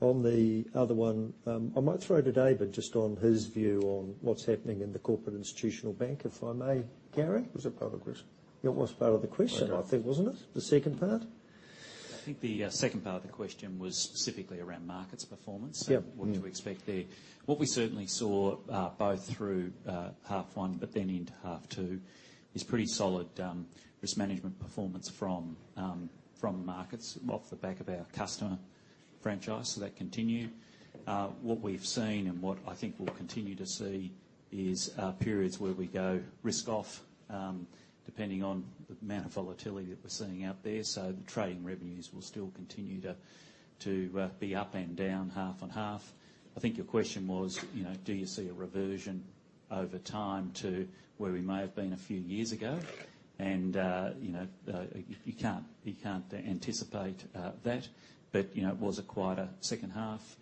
On the other one, I might throw to David just on his view on what's happening in the Corporate and Institutional Banking, if I may, Gary. Was that part of the question? It was part of the question. Okay I think, wasn't it? The second part. I think the second part of the question was specifically around markets performance. What to expect there. What we certainly saw both through half one but then into half two is pretty solid risk management performance from markets off the back of our customer franchise. That continued. What we've seen and what I think we'll continue to see is periods where we go risk off depending on the amount of volatility that we're seeing out there. The trading revenues will still continue to be up and down half on half. I think your question was, you know, do you see a reversion over time to where we may have been a few years ago? You know, you can't anticipate that. You know, it was a quieter second half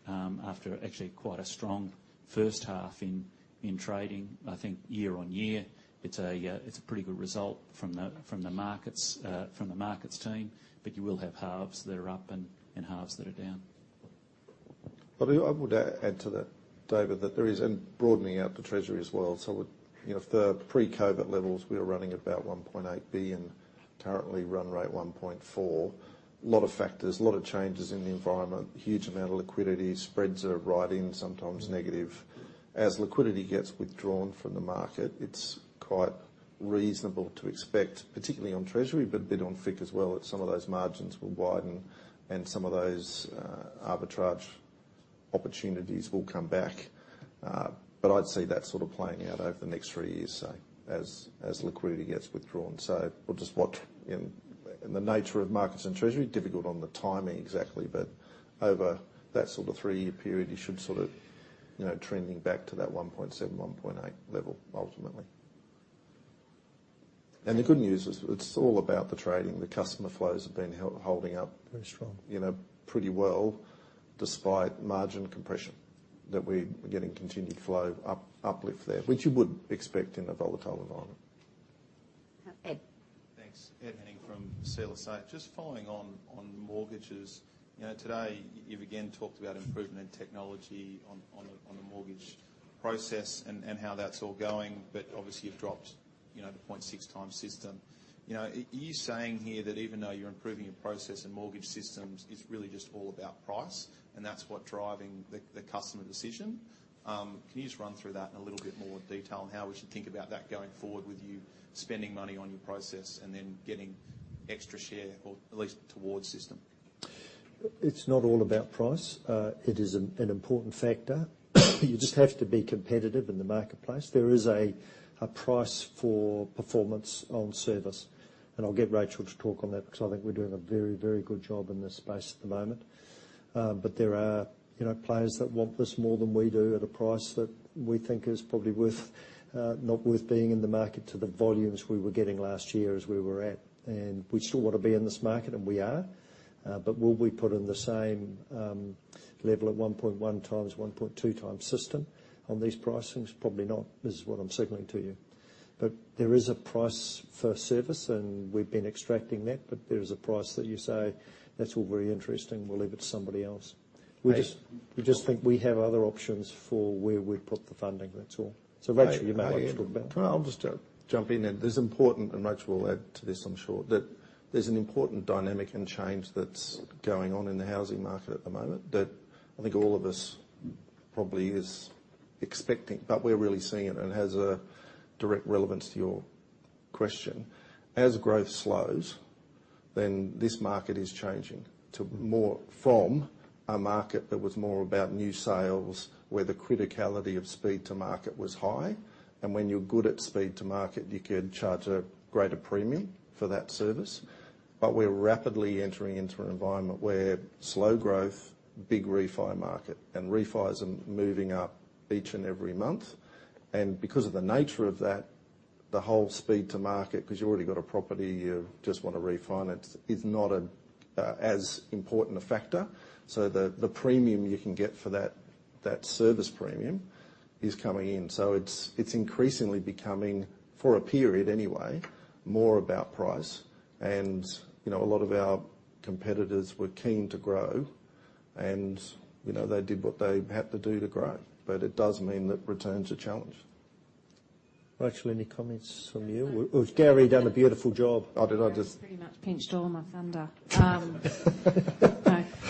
after actually quite a strong first half in trading. I think year-on-year, it's a pretty good result from the markets team, but you will have halves that are up and halves that are down. I would add to that, David, that there is and broadening out the treasury as well. You know, at the pre-COVID levels, we were running about 1.8 billion, currently run rate 1.4 billion. A lot of factors, a lot of changes in the environment, huge amount of liquidity, spreads are tightening, sometimes negative. As liquidity gets withdrawn from the market, it's quite reasonable to expect, particularly on treasury, but a bit on FICC as well, that some of those margins will widen and some of those arbitrage opportunities will come back. But I'd see that sort of playing out over the next three years, say, as liquidity gets withdrawn. We'll just watch. In the nature of markets and treasury, difficult on the timing exactly, but over that sort of three-year period, you should sort of, you know, trending back to that 1.7%-1.8% level ultimately. The good news is it's all about the trading. The customer flows have been holding up. Very strong. You know, pretty well despite margin compression. We're getting continued flow uplift there, which you would expect in a volatile environment. Ed. Thanks. Ed Henning from Citi. Just following on mortgages. You know, today you've again talked about improvement in technology on the mortgage process and how that's all going. Obviously, you've dropped, you know, the 0.6 times system. You know, are you saying here that even though you're improving your process and mortgage systems, it's really just all about price, and that's what driving the customer decision? Can you just run through that in a little bit more detail on how we should think about that going forward with you spending money on your process and then getting extra share or at least towards system? It's not all about price. It is an important factor. You just have to be competitive in the marketplace. There is a price for performance on service, and I'll get Rachel to talk on that because I think we're doing a very, very good job in this space at the moment. There are, you know, players that want this more than we do at a price that we think is probably not worth being in the market to the volumes we were getting last year as we were at. We still wanna be in this market, and we are. Will we put in the same level at 1.1x, 1.2x system on these pricings? Probably not, is what I'm signaling to you. There is a price for service, and we've been extracting that. There is a price that you say, "That's all very interesting. We'll leave it to somebody else. We just think we have other options for where we'd put the funding, that's all. Rachel, you may want to talk about that. I'll just jump in then. There's important, and Rachel will add to this, I'm sure, that there's an important dynamic and change that's going on in the housing market at the moment that I think all of us probably is expecting, but we're really seeing it, and it has a direct relevance to your question. As growth slows, then this market is changing to more, from a market that was more about new sales, where the criticality of speed to market was high. When you're good at speed to market, you can charge a greater premium for that service. We're rapidly entering into an environment where slow growth, big refi market, and refis are moving up each and every month. Because of the nature of that. The whole speed to market, because you've already got a property you just want to refinance, is not as important a factor. The premium you can get for that service premium is coming in. It's increasingly becoming, for a period anyway, more about price. You know, a lot of our competitors were keen to grow and, you know, they did what they had to do to grow. It does mean that returns are challenged. Rachel, any comments from you? Or has Gary done a beautiful job? I did all this. Gary's pretty much pinched all my thunder. No. Apologies.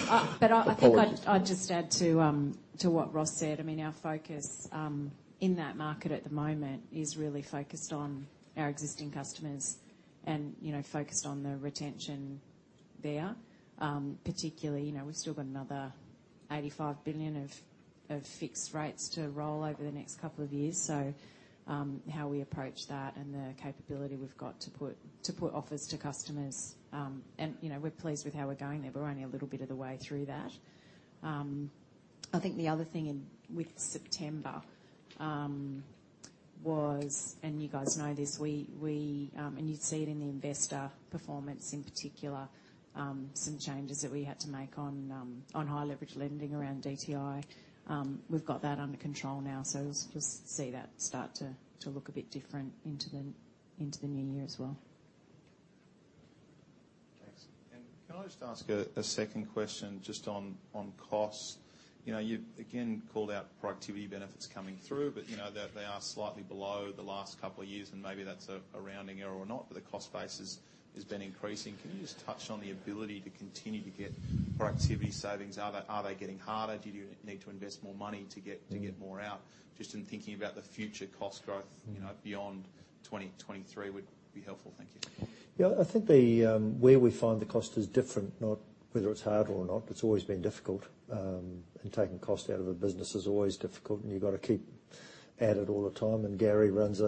I think I'd just add to what Ross said. I mean, our focus in that market at the moment is really focused on our existing customers and, you know, focused on the retention there. Particularly, you know, we've still got another 85 billion of fixed rates to roll over the next couple of years. How we approach that and the capability we've got to put offers to customers, and, you know, we're pleased with how we're going there. We're only a little bit of the way through that. I think the other thing with September was, and you guys know this, you'd see it in the investor presentation in particular, some changes that we had to make on high leverage lending around DTI. We've got that under control now. You'll just see that start to look a bit different into the new year as well. Thanks. Can I just ask a second question just on costs? You know, you've again called out productivity benefits coming through, but you know, they are slightly below the last couple of years, and maybe that's a rounding error or not, but the cost base has been increasing. Can you just touch on the ability to continue to get productivity savings? Are they getting harder? Do you need to invest more money to get- To get more out? Just in thinking about the future cost growth. You know, beyond 2023 would be helpful. Thank you. Yeah, I think the where we find the cost is different, not whether it's hard or not, but it's always been difficult. Taking cost out of a business is always difficult, and you've got to keep at it all the time. Gary runs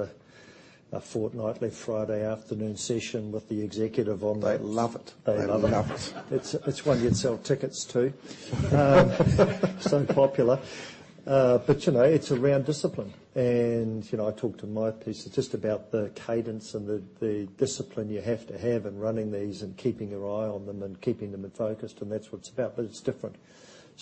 a fortnightly Friday afternoon session with the executive on that. They love it. They love it. It's one you'd sell tickets to. Popular. you know, it's around discipline. you know, I talked in my piece, it's just about the cadence and the discipline you have to have in running these and keeping your eye on them and keeping them focused, and that's what it's about. It's different.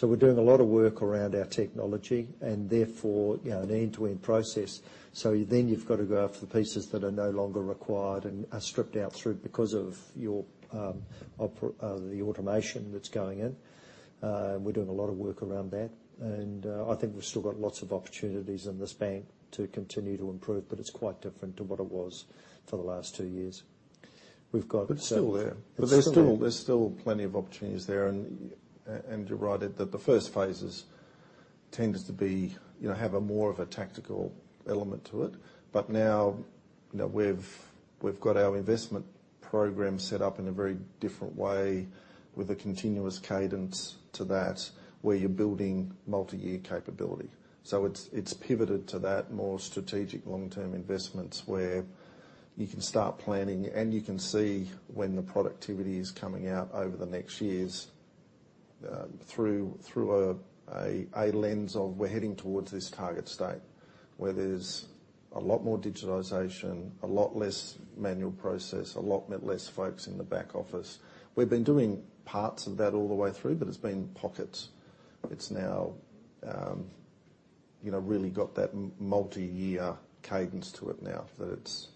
We're doing a lot of work around our technology and therefore, you know, an end-to-end process. Then you've got to go after the pieces that are no longer required and are stripped out through because of your, the automation that's going in. We're doing a lot of work around that. I think we've still got lots of opportunities in this bank to continue to improve, but it's quite different to what it was for the last two years. We've got- It's still there. It's still there. There's still plenty of opportunities there. You're right that the first phases tends to be, you know, have a more of a tactical element to it. Now, you know, we've got our investment program set up in a very different way with a continuous cadence to that, where you're building multi-year capability. It's pivoted to that more strategic long-term investments where you can start planning and you can see when the productivity is coming out over the next years, through a lens of we're heading towards this target state where there's a lot more digitalization, a lot less manual process, a lot less folks in the back office. We've been doing parts of that all the way through, but it's been pockets. It's now, you know, really got that multi-year cadence to it now that it's.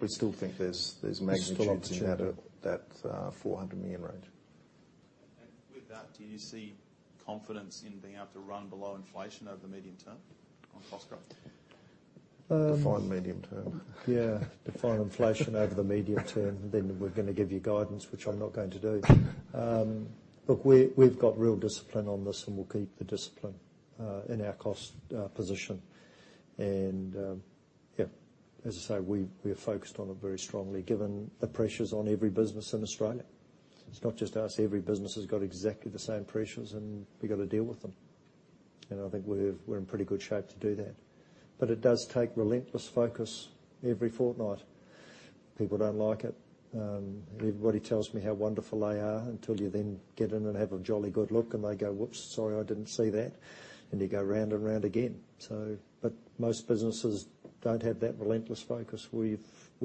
We still think there's magnitudes. There's still opportunity. Out of that, 400 million range. With that, do you see confidence in being able to run below inflation over the medium term on cost growth? Define medium term. Yeah. Define inflation over the medium term, then we're gonna give you guidance, which I'm not going to do. Look, we've got real discipline on this, and we'll keep the discipline in our cost position. Yeah, as I say, we are focused on it very strongly, given the pressures on every business in Australia. It's not just us. Every business has got exactly the same pressures, and we've got to deal with them. I think we're in pretty good shape to do that. It does take relentless focus every fortnight. People don't like it. Everybody tells me how wonderful they are until you then get in and have a jolly good look, and they go, "Whoops, sorry, I didn't see that." You go round and round again. Most businesses don't have that relentless focus. We're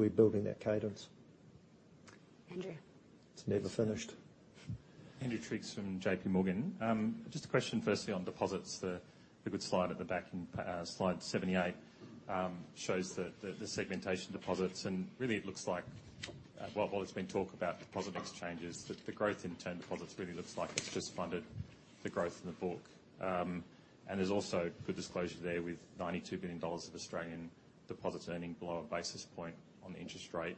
building that cadence. Andrew. It's never finished. Andrew Triggs from J.P. Morgan. Just a question firstly on deposits. The good slide at the back in slide 78 shows the segmentation deposits, and really it looks like while there's been talk about deposit mix changes, the growth in term deposits really looks like it's just funded the growth in the book. There's also good disclosure there with AUD 92 billion of Australian deposits earning below a basis point on the interest rate.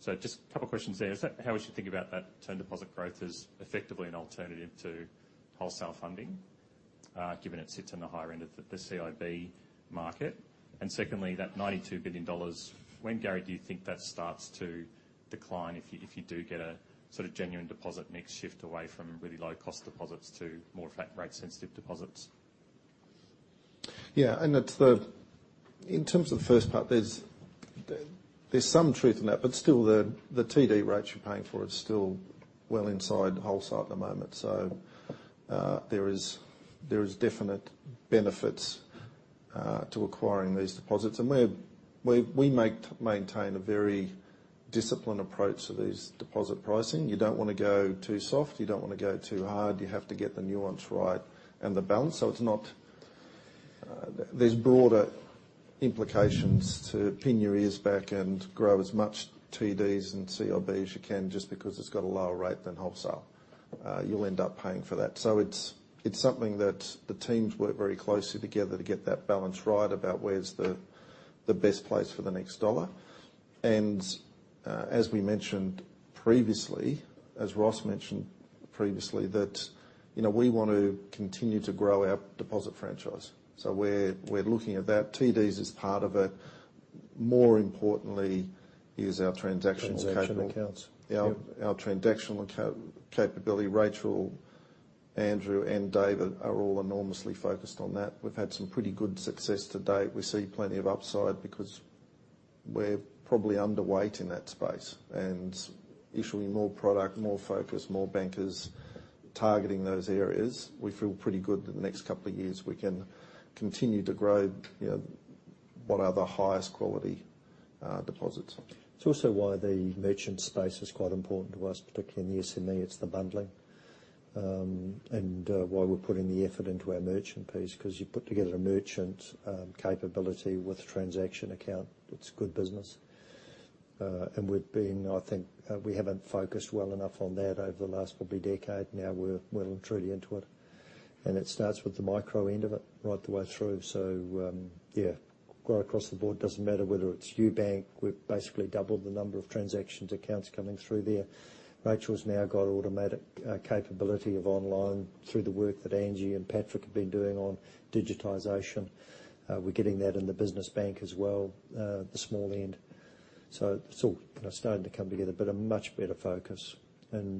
So just a couple of questions there. Is that how we should think about that term deposit growth as effectively an alternative to wholesale funding, given it sits on the higher end of the CIB market? Secondly, that 92 billion dollars, when, Gary, do you think that starts to decline if you do get a sort of genuine deposit mix shift away from really low-cost deposits to more flat rate sensitive deposits? In terms of the first part, there's some truth in that. Still, the TD rates you're paying for are still well inside wholesale at the moment. There is definite benefits to acquiring these deposits. We maintain a very disciplined approach to these deposit pricing. You don't wanna go too soft, you don't wanna go too hard. You have to get the nuance right and the balance so it's not. There's broader implications to pin your ears back and grow as much TDs and CIB as you can just because it's got a lower rate than wholesale. You'll end up paying for that. It's something that the teams work very closely together to get that balance right about where's the best place for the next dollar. As we mentioned previously, as Ross mentioned previously, that, you know, we want to continue to grow our deposit franchise. We're looking at that. TDs is part of it. More importantly is our transactional- Transactional accounts. Yeah. Our transactional capability. Rachel, Andrew, and David are all enormously focused on that. We've had some pretty good success to date. We see plenty of upside because we're probably underweight in that space. Issuing more product, more focus, more bankers targeting those areas, we feel pretty good that the next couple of years we can continue to grow, you know, what are the highest quality deposits. It's also why the merchant space is quite important to us, particularly in the SME. It's the bundling. Why we're putting the effort into our merchant piece, 'cause you put together a merchant capability with a transaction account, it's good business. I think we haven't focused well enough on that over the last probably decade. Now we're well and truly into it. It starts with the micro end of it, right the way through. Right across the board, doesn't matter whether it's UBank, we've basically doubled the number of transaction accounts coming through there. Rachel's now got automatic capability of online through the work that Angie and Patrick have been doing on digitization. We're getting that in the business bank as well, the small end. It's all, kind of, starting to come together, but a much better focus.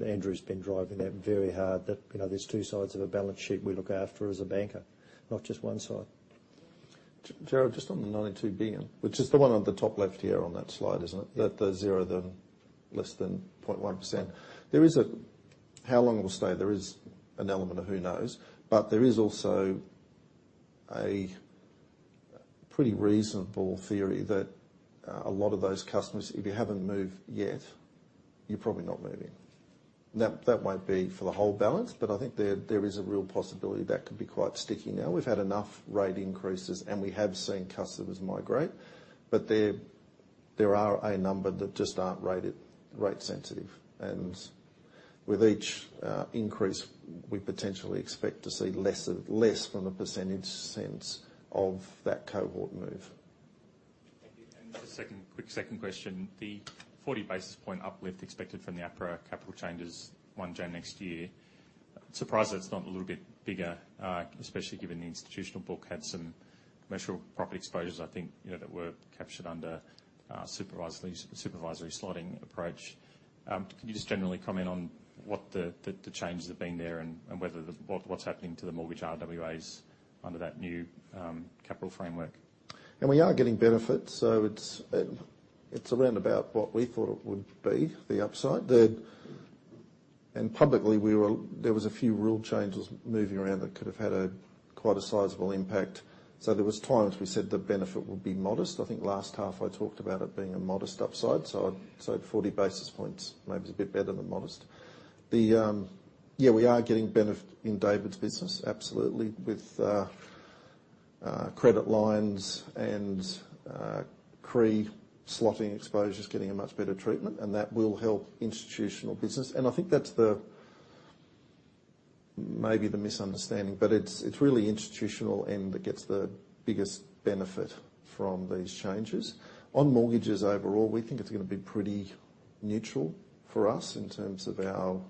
Andrew's been driving that very hard, that, you know, there's two sides of a balance sheet we look after as a banker, not just one side. Jarrod, just on the 92 billion, which is the one on the top left here on that slide, isn't it? That the zero, the less than 0.1%. There is a how long it will stay? There is an element of who knows, but there is also a pretty reasonable theory that, a lot of those customers, if you haven't moved yet, you're probably not moving. That, that won't be for the whole balance, but I think there is a real possibility that could be quite sticky now. We've had enough rate increases, and we have seen customers migrate, but there are a number that just aren't rated rate sensitive. With each, increase, we potentially expect to see less from a percentage sense of that cohort move. Thank you. Just a second, quick second question. The 40 basis point uplift expected from the APRA capital changes 1 January next year. Surprised that it's not a little bit bigger, especially given the institutional book had some commercial property exposures, I think, you know, that were captured under supervisory slotting approach. Can you just generally comment on what the changes have been there and whether what's happening to the mortgage RWAs under that new capital framework? We are getting benefits, so it's around about what we thought it would be, the upside. Publicly, there was a few rule changes moving around that could have had a quite a sizable impact. There was times we said the benefit would be modest. I think last half I talked about it being a modest upside. Forty basis points maybe is a bit better than modest. We are getting benefit in David's business, absolutely, with credit lines and pre-slotting exposures getting a much better treatment, and that will help institutional business. I think that's maybe the misunderstanding, but it's really institutional end that gets the biggest benefit from these changes. On mortgages overall, we think it's gonna be pretty neutral for us in terms of our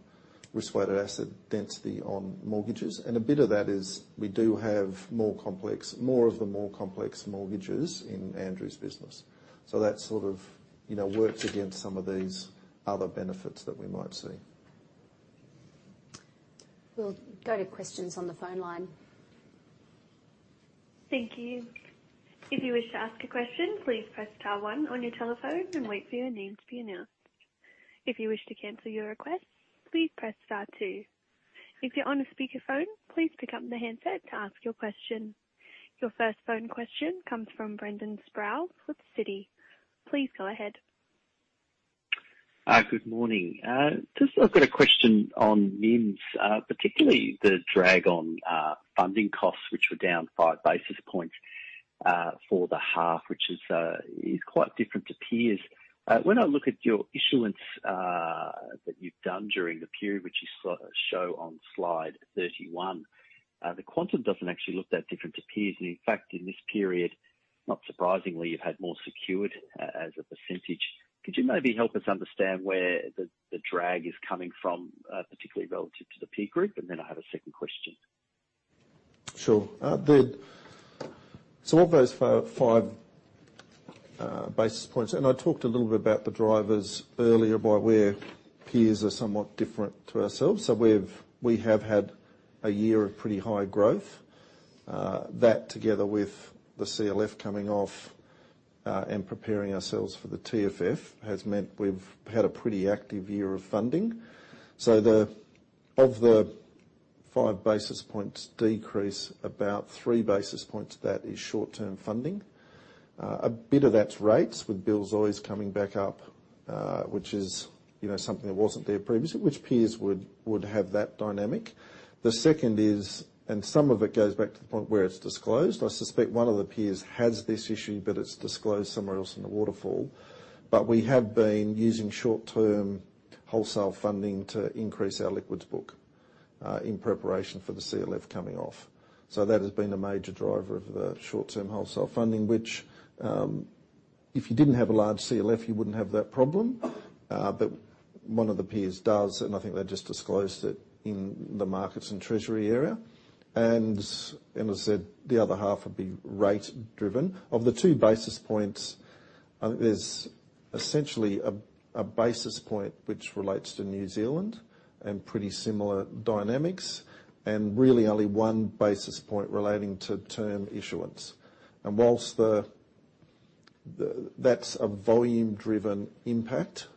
risk-weighted asset density on mortgages. A bit of that is we do have more of the more complex mortgages in Andrew's business. That sort of, you know, works against some of these other benefits that we might see. We'll go to questions on the phone line. Thank you. If you wish to ask a question, please press star one on your telephone and wait for your name to be announced. If you wish to cancel your request, please press star two. If you're on a speakerphone, please pick up the handset to ask your question. Your first phone question comes from Brendan Sproules with Citi. Please go ahead. Good morning. Just I've got a question on NIMs, particularly the drag on funding costs, which were down five basis points for the half, which is quite different to peers. When I look at your issuance that you've done during the period, which is shown on slide 31, the quantum doesn't actually look that different to peers. In fact, in this period, not surprisingly, you've had more secured as a percentage. Could you maybe help us understand where the drag is coming from, particularly relative to the peer group? I have a second question. Sure. Of those five basis points, and I talked a little bit about the drivers earlier by where peers are somewhat different to ourselves. We have had a year of pretty high growth. That together with the CLF coming off, and preparing ourselves for the TFF has meant we've had a pretty active year of funding. Of the five basis points decrease, about three basis points, that is short-term funding. A bit of that's rates with bills always coming back up, which is, you know, something that wasn't there previously, which peers would have that dynamic. The second is, and some of it goes back to the point where it's disclosed, I suspect one of the peers has this issue, but it's disclosed somewhere else in the waterfall. We have been using short-term wholesale funding to increase our liquids book in preparation for the CLF coming off. That has been a major driver of the short-term wholesale funding, which, if you didn't have a large CLF, you wouldn't have that problem. One of the peers does, and I think they just disclosed it in the markets and treasury area. As I said, the other half would be rate-driven. Of the two basis points, I think there's essentially a basis point which relates to New Zealand and pretty similar dynamics, and really only one basis point relating to term issuance. Whilst that's a volume-driven impact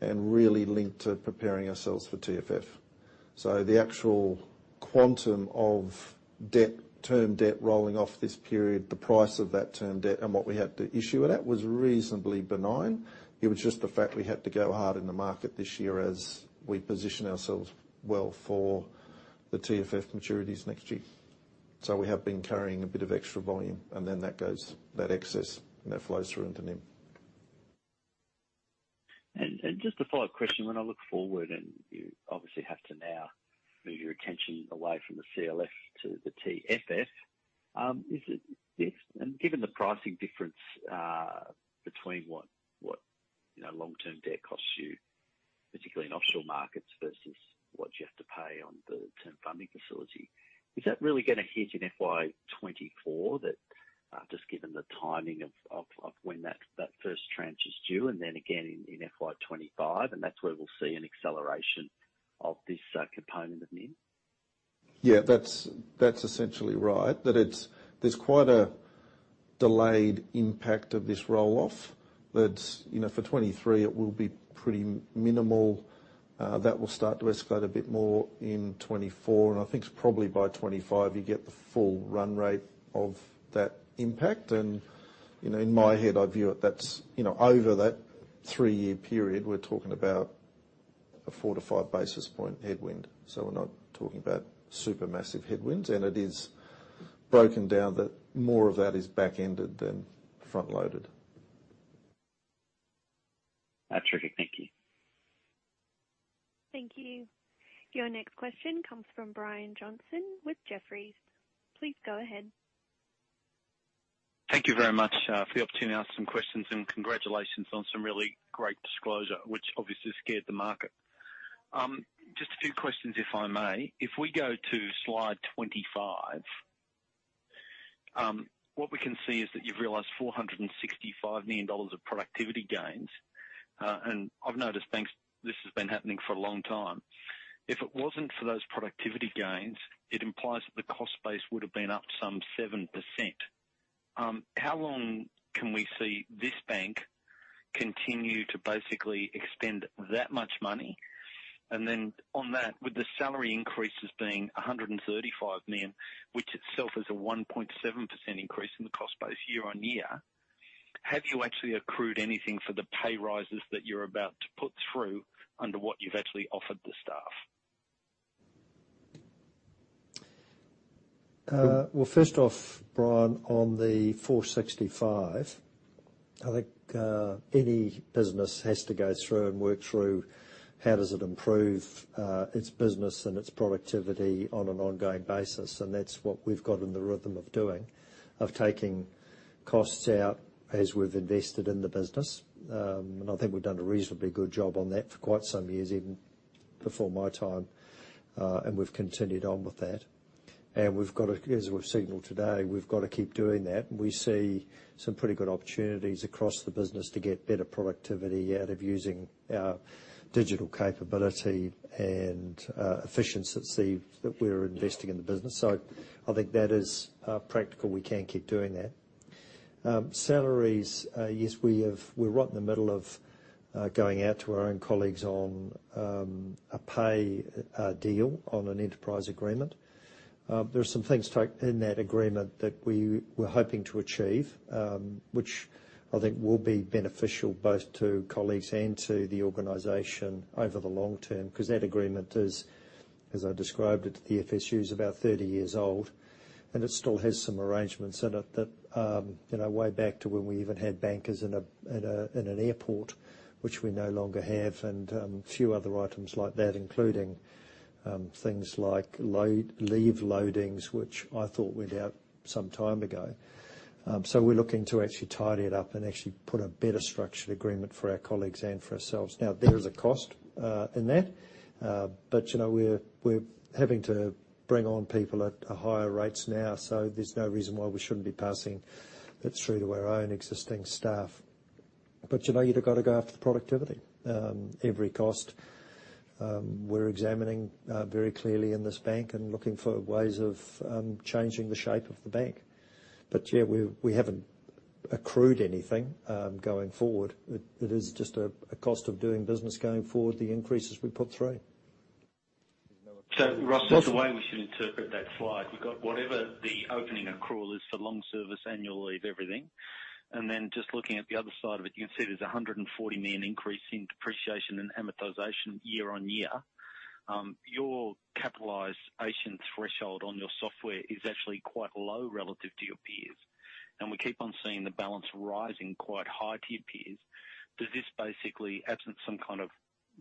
and really linked to preparing ourselves for TFF. The actual quantum of debt, term debt rolling off this period, the price of that term debt and what we had to issue at it, was reasonably benign. It was just the fact we had to go hard in the market this year as we position ourselves well for the TFF maturities next year. We have been carrying a bit of extra volume, and then that goes, that excess, and that flows through into NIM. Just a follow-up question. When I look forward, and you obviously have to now move your attention away from the CLF to the TFF, given the pricing difference between what you know long-term debt costs you, particularly in offshore markets versus what you have to pay on the term funding facility, is that really gonna hit in FY 2024, just given the timing of when that first tranche is due and then again in FY 2025, and that's where we'll see an acceleration of this component of NIM? Yeah, that's essentially right. There's quite a delayed impact of this roll-off that, you know, for 2023, it will be pretty minimal. That will start to escalate a bit more in 2024, and I think it's probably by 2025, you get the full run rate of that impact. You know, in my head, I view it that's, you know, over that three-year period, we're talking about a 4-5 basis point headwind, so we're not talking about super massive headwinds. It is broken down that more of that is back-ended than front-loaded. That's tricky. Thank you. Thank you. Your next question comes from Brian Johnson with Jefferies. Please go ahead. Thank you very much for the opportunity to ask some questions, and congratulations on some really great disclosure, which obviously scared the market. Just a few questions, if I may. If we go to slide 25, what we can see is that you've realized 465 million dollars of productivity gains. And I've noticed, thanks, this has been happening for a long time. If it wasn't for those productivity gains, it implies that the cost base would have been up some 7%. How long can we see this bank continue to basically expend that much money? On that, with the salary increases being 135 million, which itself is a 1.7% increase in the cost base year-over-year, have you actually accrued anything for the pay rises that you're about to put through under what you've actually offered the staff? Well, first off, Brian, on the 465, I think any business has to go through and work through how does it improve its business and its productivity on an ongoing basis. That's what we've got in the rhythm of doing, of taking costs out as we've invested in the business. I think we've done a reasonably good job on that for quite some years, even before my time, and we've continued on with that. We've got to, as we've signaled today, we've got to keep doing that. We see some pretty good opportunities across the business to get better productivity out of using our digital capability and efficiency that we're investing in the business. I think that is practical. We can keep doing that. Salaries, yes, we're right in the middle of going out to our own colleagues on a pay deal on an enterprise agreement. There are some things to take in that agreement that we were hoping to achieve, which I think will be beneficial both to colleagues and to the organization over the long term, 'cause that agreement is, as I described it at the FSU, about 30 years old, and it still has some arrangements in it that, you know, way back to when we even had bankers in an airport, which we no longer have, and a few other items like that, including things like leave loadings, which I thought went out some time ago. We're looking to actually tidy it up and actually put a better structured agreement for our colleagues and for ourselves. Now, there is a cost in that, but you know, we're having to bring on people at higher rates now, so there's no reason why we shouldn't be passing it through to our own existing staff. You know you'd have got to go after the productivity. Every cost, we're examining very clearly in this bank and looking for ways of changing the shape of the bank. Yeah, we haven't accrued anything going forward. It is just a cost of doing business going forward, the increases we put through. Ross, the way we should interpret that slide, we've got whatever the opening accrual is for long service, annual leave, everything. Just looking at the other side of it, you can see there's 140 million increase in depreciation and amortization year-over-year. Your capitalization threshold on your software is actually quite low relative to your peers. We keep on seeing the balance rising quite high to your peers. Does this basically absent some kind of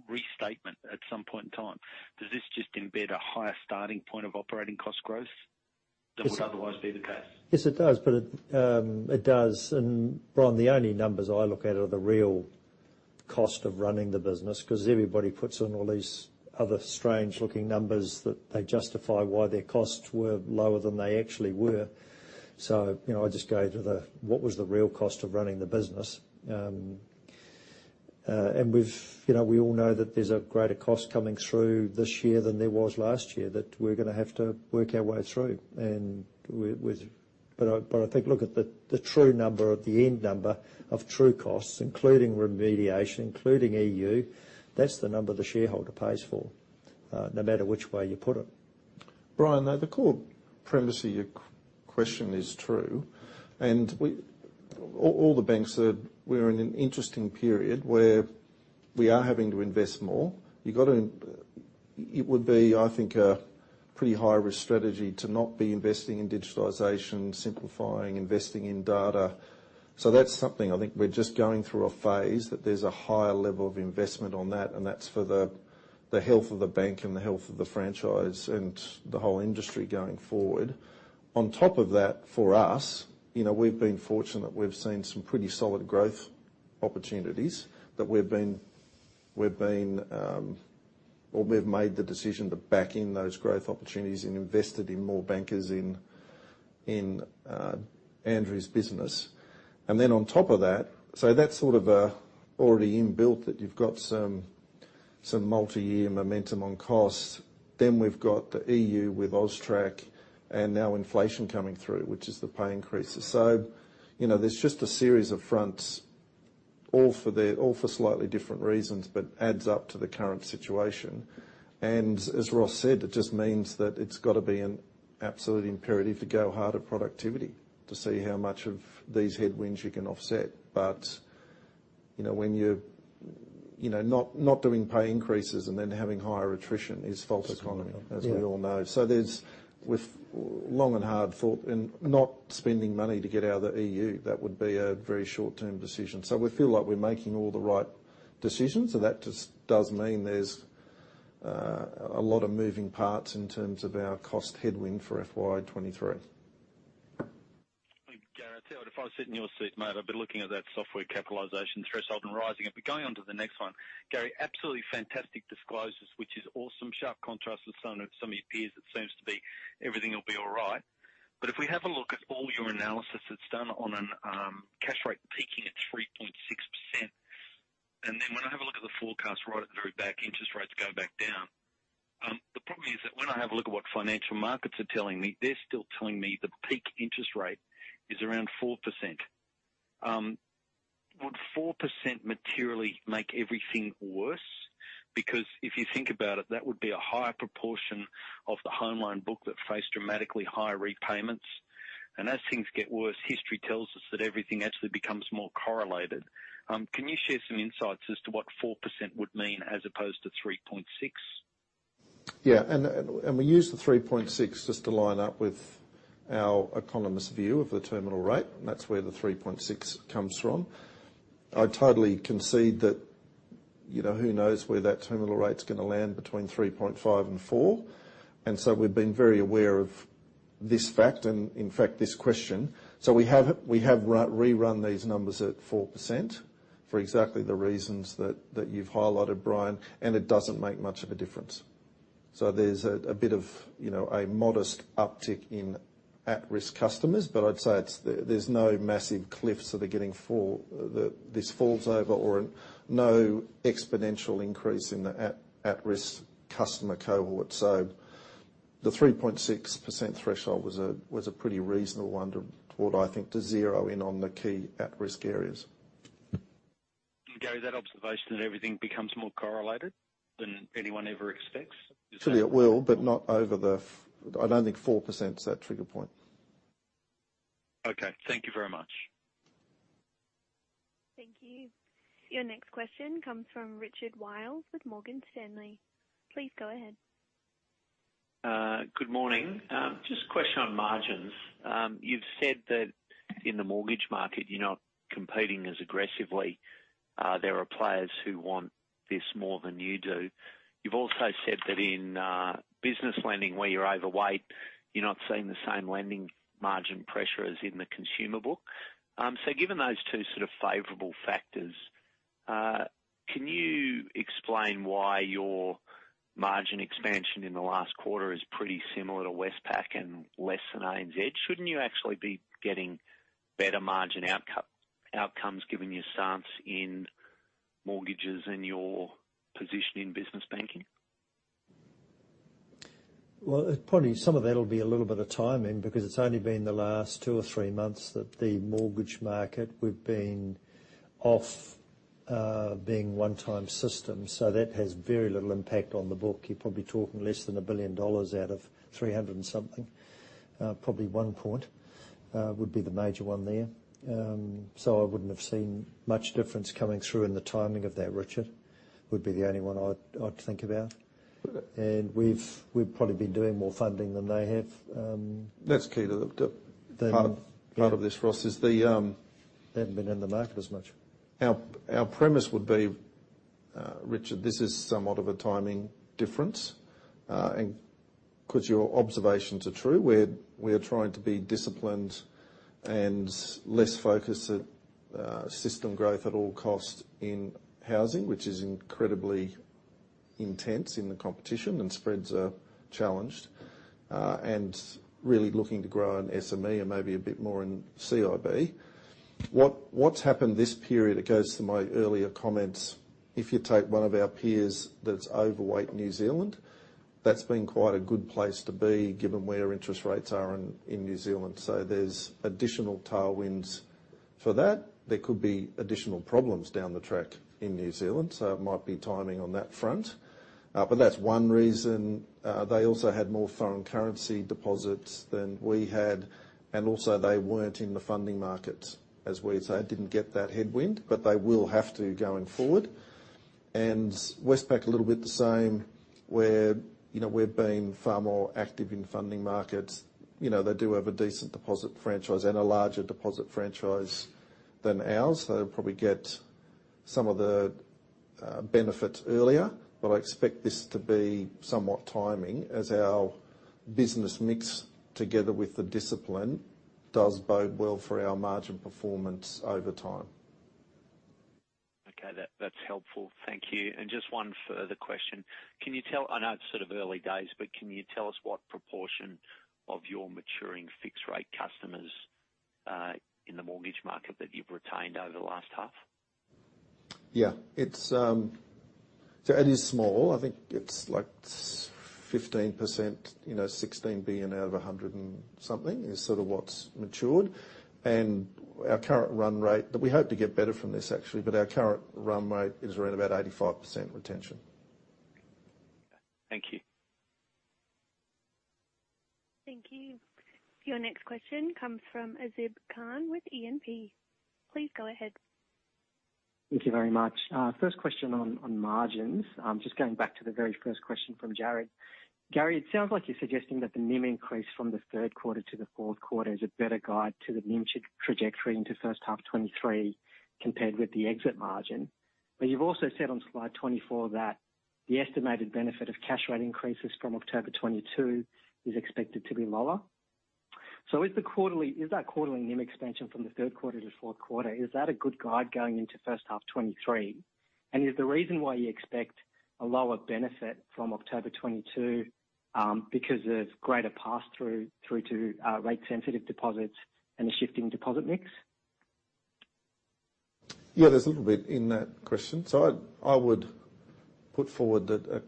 restatement at some point in time? Does this just embed a higher starting point of operating cost growth than would otherwise be the case? Yes, it does. It does. Brian, the only numbers I look at are the real cost of running the business because everybody puts in all these other strange-looking numbers that they justify why their costs were lower than they actually were. You know, I just go to what was the real cost of running the business. You know, we all know that there's a greater cost coming through this year than there was last year that we're gonna have to work our way through. I think, look at the true number at the end number of true costs, including remediation, including EU. That's the number the shareholder pays for, no matter which way you put it. Brian, the core premise of your question is true. All the banks are in an interesting period where we are having to invest more. You've got to. It would be, I think, a pretty high-risk strategy to not be investing in digitalization, simplifying, investing in data. That's something I think we're just going through a phase, that there's a higher level of investment on that, and that's for the health of the bank and the health of the franchise and the whole industry going forward. On top of that, for us, you know, we've been fortunate. We've seen some pretty solid growth opportunities that we've been or we've made the decision to back those growth opportunities and invested in more bankers in Andrew's business. On top of that, so that's sort of already inbuilt that you've got some multi-year momentum on costs. We've got the EU with AUSTRAC and now inflation coming through, which is the pay increases. You know, there's just a series of fronts, all for slightly different reasons, but adds up to the current situation. As Ross said, it just means that it's got to be an absolute imperative to go harder on productivity to see how much of these headwinds you can offset. You know, when you're not doing pay increases and then having higher attrition is false economy, as we all know. With long and hard thought and not spending money to get out of the EU, that would be a very short-term decision. We feel like we're making all the right decisions. That just does mean there's a lot of moving parts in terms of our cost headwind for FY 2023. Gary, I tell you what, if I was sitting in your seat, mate, I'd be looking at that software capitalization threshold and raising it. Going on to the next one, Gary, absolutely fantastic disclosures, which is awesome. Sharp contrast with some of your peers, it seems to be everything will be all right. If we have a look at all your analysis, it's done on a cash rate peaking at 3.6%. Then when I have a look at the forecast right at the very back, interest rates go back down. The problem is that when I have a look at what financial markets are telling me, they're still telling me the peak interest rate is around 4%. Would 4% materially make everything worse? Because if you think about it, that would be a higher proportion of the home loan book that face dramatically higher repayments. As things get worse, history tells us that everything actually becomes more correlated. Can you share some insights as to what 4% would mean as opposed to 3.6%? We use the 3.6 just to line up with our economist view of the terminal rate, and that's where the 3.6 comes from. I totally concede that, you know, who knows where that terminal rate's gonna land between 3.5 and 4. We've been very aware of this fact and, in fact, this question. We have rerun these numbers at 4% for exactly the reasons that you've highlighted, Brian, and it doesn't make much of a difference. There's a bit of, you know, a modest uptick in at-risk customers, but I'd say it's there's no massive cliffs that this falls over or no exponential increase in the at-risk customer cohort. The 3.6% threshold was a pretty reasonable one, I think, to zero in on the key at-risk areas. Gary, that observation that everything becomes more correlated than anyone ever expects, is that? Actually, it will. I don't think 4% is that trigger point. Okay. Thank you very much. Thank you. Your next question comes from Richard Wiles with Morgan Stanley. Please go ahead. Good morning. Just a question on margins. You've said that in the mortgage market, you're not competing as aggressively. There are players who want this more than you do. You've also said that in business lending where you're overweight, you're not seeing the same lending margin pressure as in the consumer book. Given those two sort of favorable factors, can you explain why your Margin expansion in the last quarter is pretty similar to Westpac and less than ANZ. Shouldn't you actually be getting better margin outcomes given your stance in mortgages and your position in business banking? Well, probably some of that'll be a little bit of timing because it's only been the last two or three months that the mortgage market we've been offering online system. That has very little impact on the book. You're probably talking less than 1 billion dollars out of 300 and something. Probably 1 point would be the major one there. I wouldn't have seen much difference coming through in the timing of that, Richard. Would be the only one I'd think about. We've probably been doing more funding than they have. That's key to the. The part of this for us is the. They haven't been in the market as much. Our premise would be, Richard, this is somewhat of a timing difference, and 'cause your observations are true. We're trying to be disciplined and less focused at system growth at all cost in housing, which is incredibly intense in the competition and spreads are challenged. Really looking to grow on SME and maybe a bit more in CIB. What's happened this period, it goes to my earlier comments. If you take one of our peers that's overweight New Zealand, that's been quite a good place to be given where interest rates are in New Zealand. There's additional tailwinds for that. There could be additional problems down the track in New Zealand. It might be timing on that front. That's one reason. They also had more foreign currency deposits than we had, and also they weren't in the funding market as we are, so they didn't get that headwind, but they will have to going forward. Westpac a little bit the same, where, you know, we've been far more active in funding markets. You know, they do have a decent deposit franchise and a larger deposit franchise than ours. They'll probably get some of the benefits earlier. I expect this to be somewhat timing as our business mix together with the discipline does bode well for our margin performance over time. Okay, that's helpful. Thank you. Just one further question. Can you tell. I know it's sort of early days, but can you tell us what proportion of your maturing fixed rate customers in the mortgage market that you've retained over the last half? Yeah. It is small. I think it's like 15%, you know, 16 billion out of 100-something is sort of what's matured. We hope to get better from this actually, but our current run rate is around about 85% retention. Thank you. Thank you. Your next question comes from Azib Khan with E&P. Please go ahead. Thank you very much. First question on margins. Just going back to the very first question from Jarrod. Gary, it sounds like you're suggesting that the NIM increase from the third quarter to the fourth quarter is a better guide to the NIM trajectory into first half 2023 compared with the exit margin. But you've also said on slide 24 that the estimated benefit of cash rate increases from October 2022 is expected to be lower. So is that quarterly NIM expansion from the third quarter to fourth quarter a good guide going into first half 2023? And is the reason why you expect a lower benefit from October 2022 because of greater pass-through through to rate sensitive deposits and the shifting deposit mix? Yeah, there's a little bit in that question. I would put forward that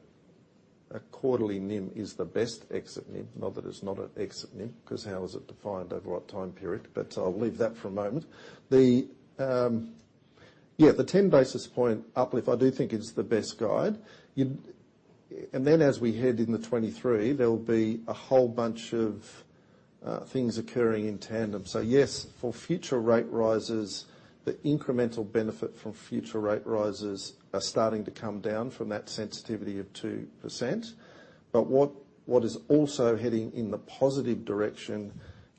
a quarterly NIM is the best exit NIM. Not that it's not an exit NIM, 'cause how is it defined over what time period? I'll leave that for a moment. The 10 basis point uplift, I do think is the best guide. Then as we head into 2023, there'll be a whole bunch of things occurring in tandem. Yes, for future rate rises, the incremental benefit from future rate rises are starting to come down from that sensitivity of 2%. What is also heading in the positive direction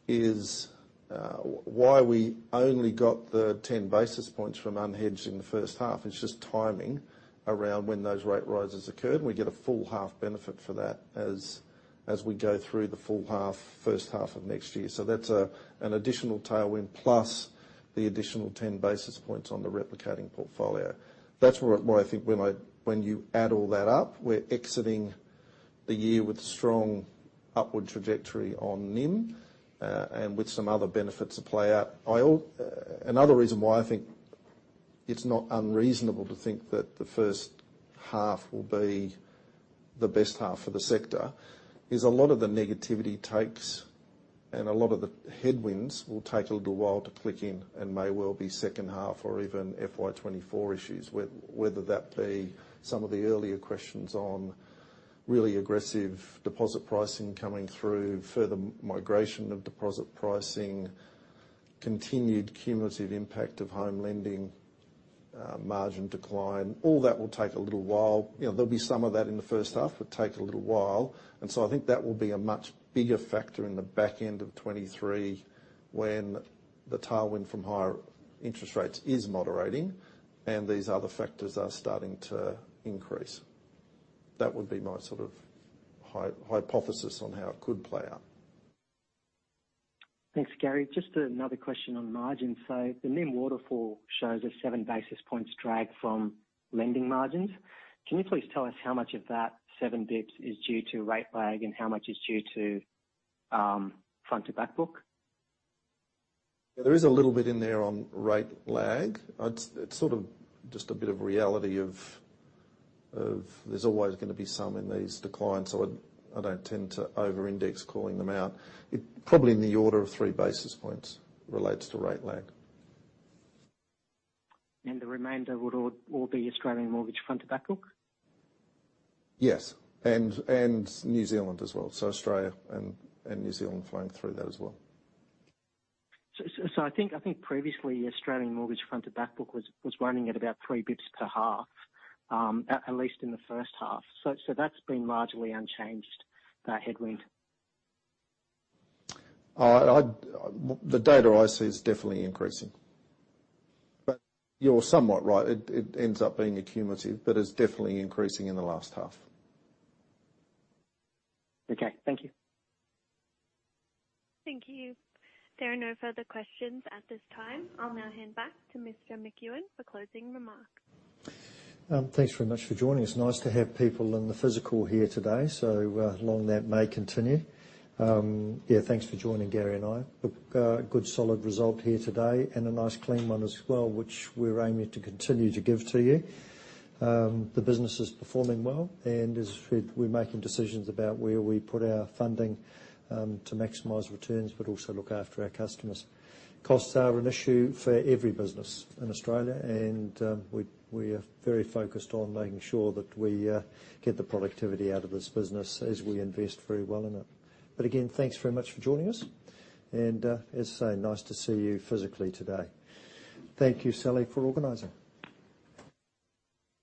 is why we only got the 10 basis points from unhedged in the first half. It's just timing around when those rate rises occurred, and we get a full half benefit for that as we go through the full half, first half of next year. That's an additional tailwind plus the additional ten basis points on the replicating portfolio. That's where I think when you add all that up, we're exiting the year with strong upward trajectory on NIM, and with some other benefits to play out. Another reason why I think it's not unreasonable to think that the first half will be the best half for the sector is a lot of the negativity takes, and a lot of the headwinds will take a little while to click in and may well be second half or even FY 2024 issues. Whether that be some of the earlier questions on really aggressive deposit pricing coming through, further migration of deposit pricing, continued cumulative impact of home lending, margin decline. All that will take a little while. You know, there'll be some of that in the first half. It'll take a little while. I think that will be a much bigger factor in the back end of 2023, when the tailwind from higher interest rates is moderating and these other factors are starting to increase. That would be my sort of hypothesis on how it could play out. Thanks, Gary. Just another question on margins. The NIM waterfall shows a 7 basis points drag from lending margins. Can you please tell us how much of that 7 basis points is due to rate lag and how much is due to front to back book? There is a little bit in there on rate lag. I'd say it's sort of just a bit of reality that there's always gonna be some in these declines, so I don't tend to over-index calling them out. It probably in the order of three basis points relates to rate lag. The remainder would all be Australian mortgage front to back book? Yes, and New Zealand as well. Australia and New Zealand flowing through that as well. I think previously Australian mortgage front to back book was running at about three basis points per half, at least in the first half. That's been largely unchanged, that headwind. The data I see is definitely increasing. You're somewhat right, it ends up being accumulative, but it's definitely increasing in the last half. Okay, thank you. Thank you. There are no further questions at this time. I'll now hand back to Ross McEwan for closing remarks. Thanks very much for joining us. Nice to have people physically here today. Long may it continue. Yeah, thanks for joining Gary and I. Look, good solid result here today and a nice clean one as well, which we're aiming to continue to give to you. The business is performing well and we're making decisions about where we put our funding to maximize returns but also look after our customers. Costs are an issue for every business in Australia and we are very focused on making sure that we get the productivity out of this business as we invest very well in it. But again, thanks very much for joining us. As I say, nice to see you physically today. Thank you, Sally, for organizing.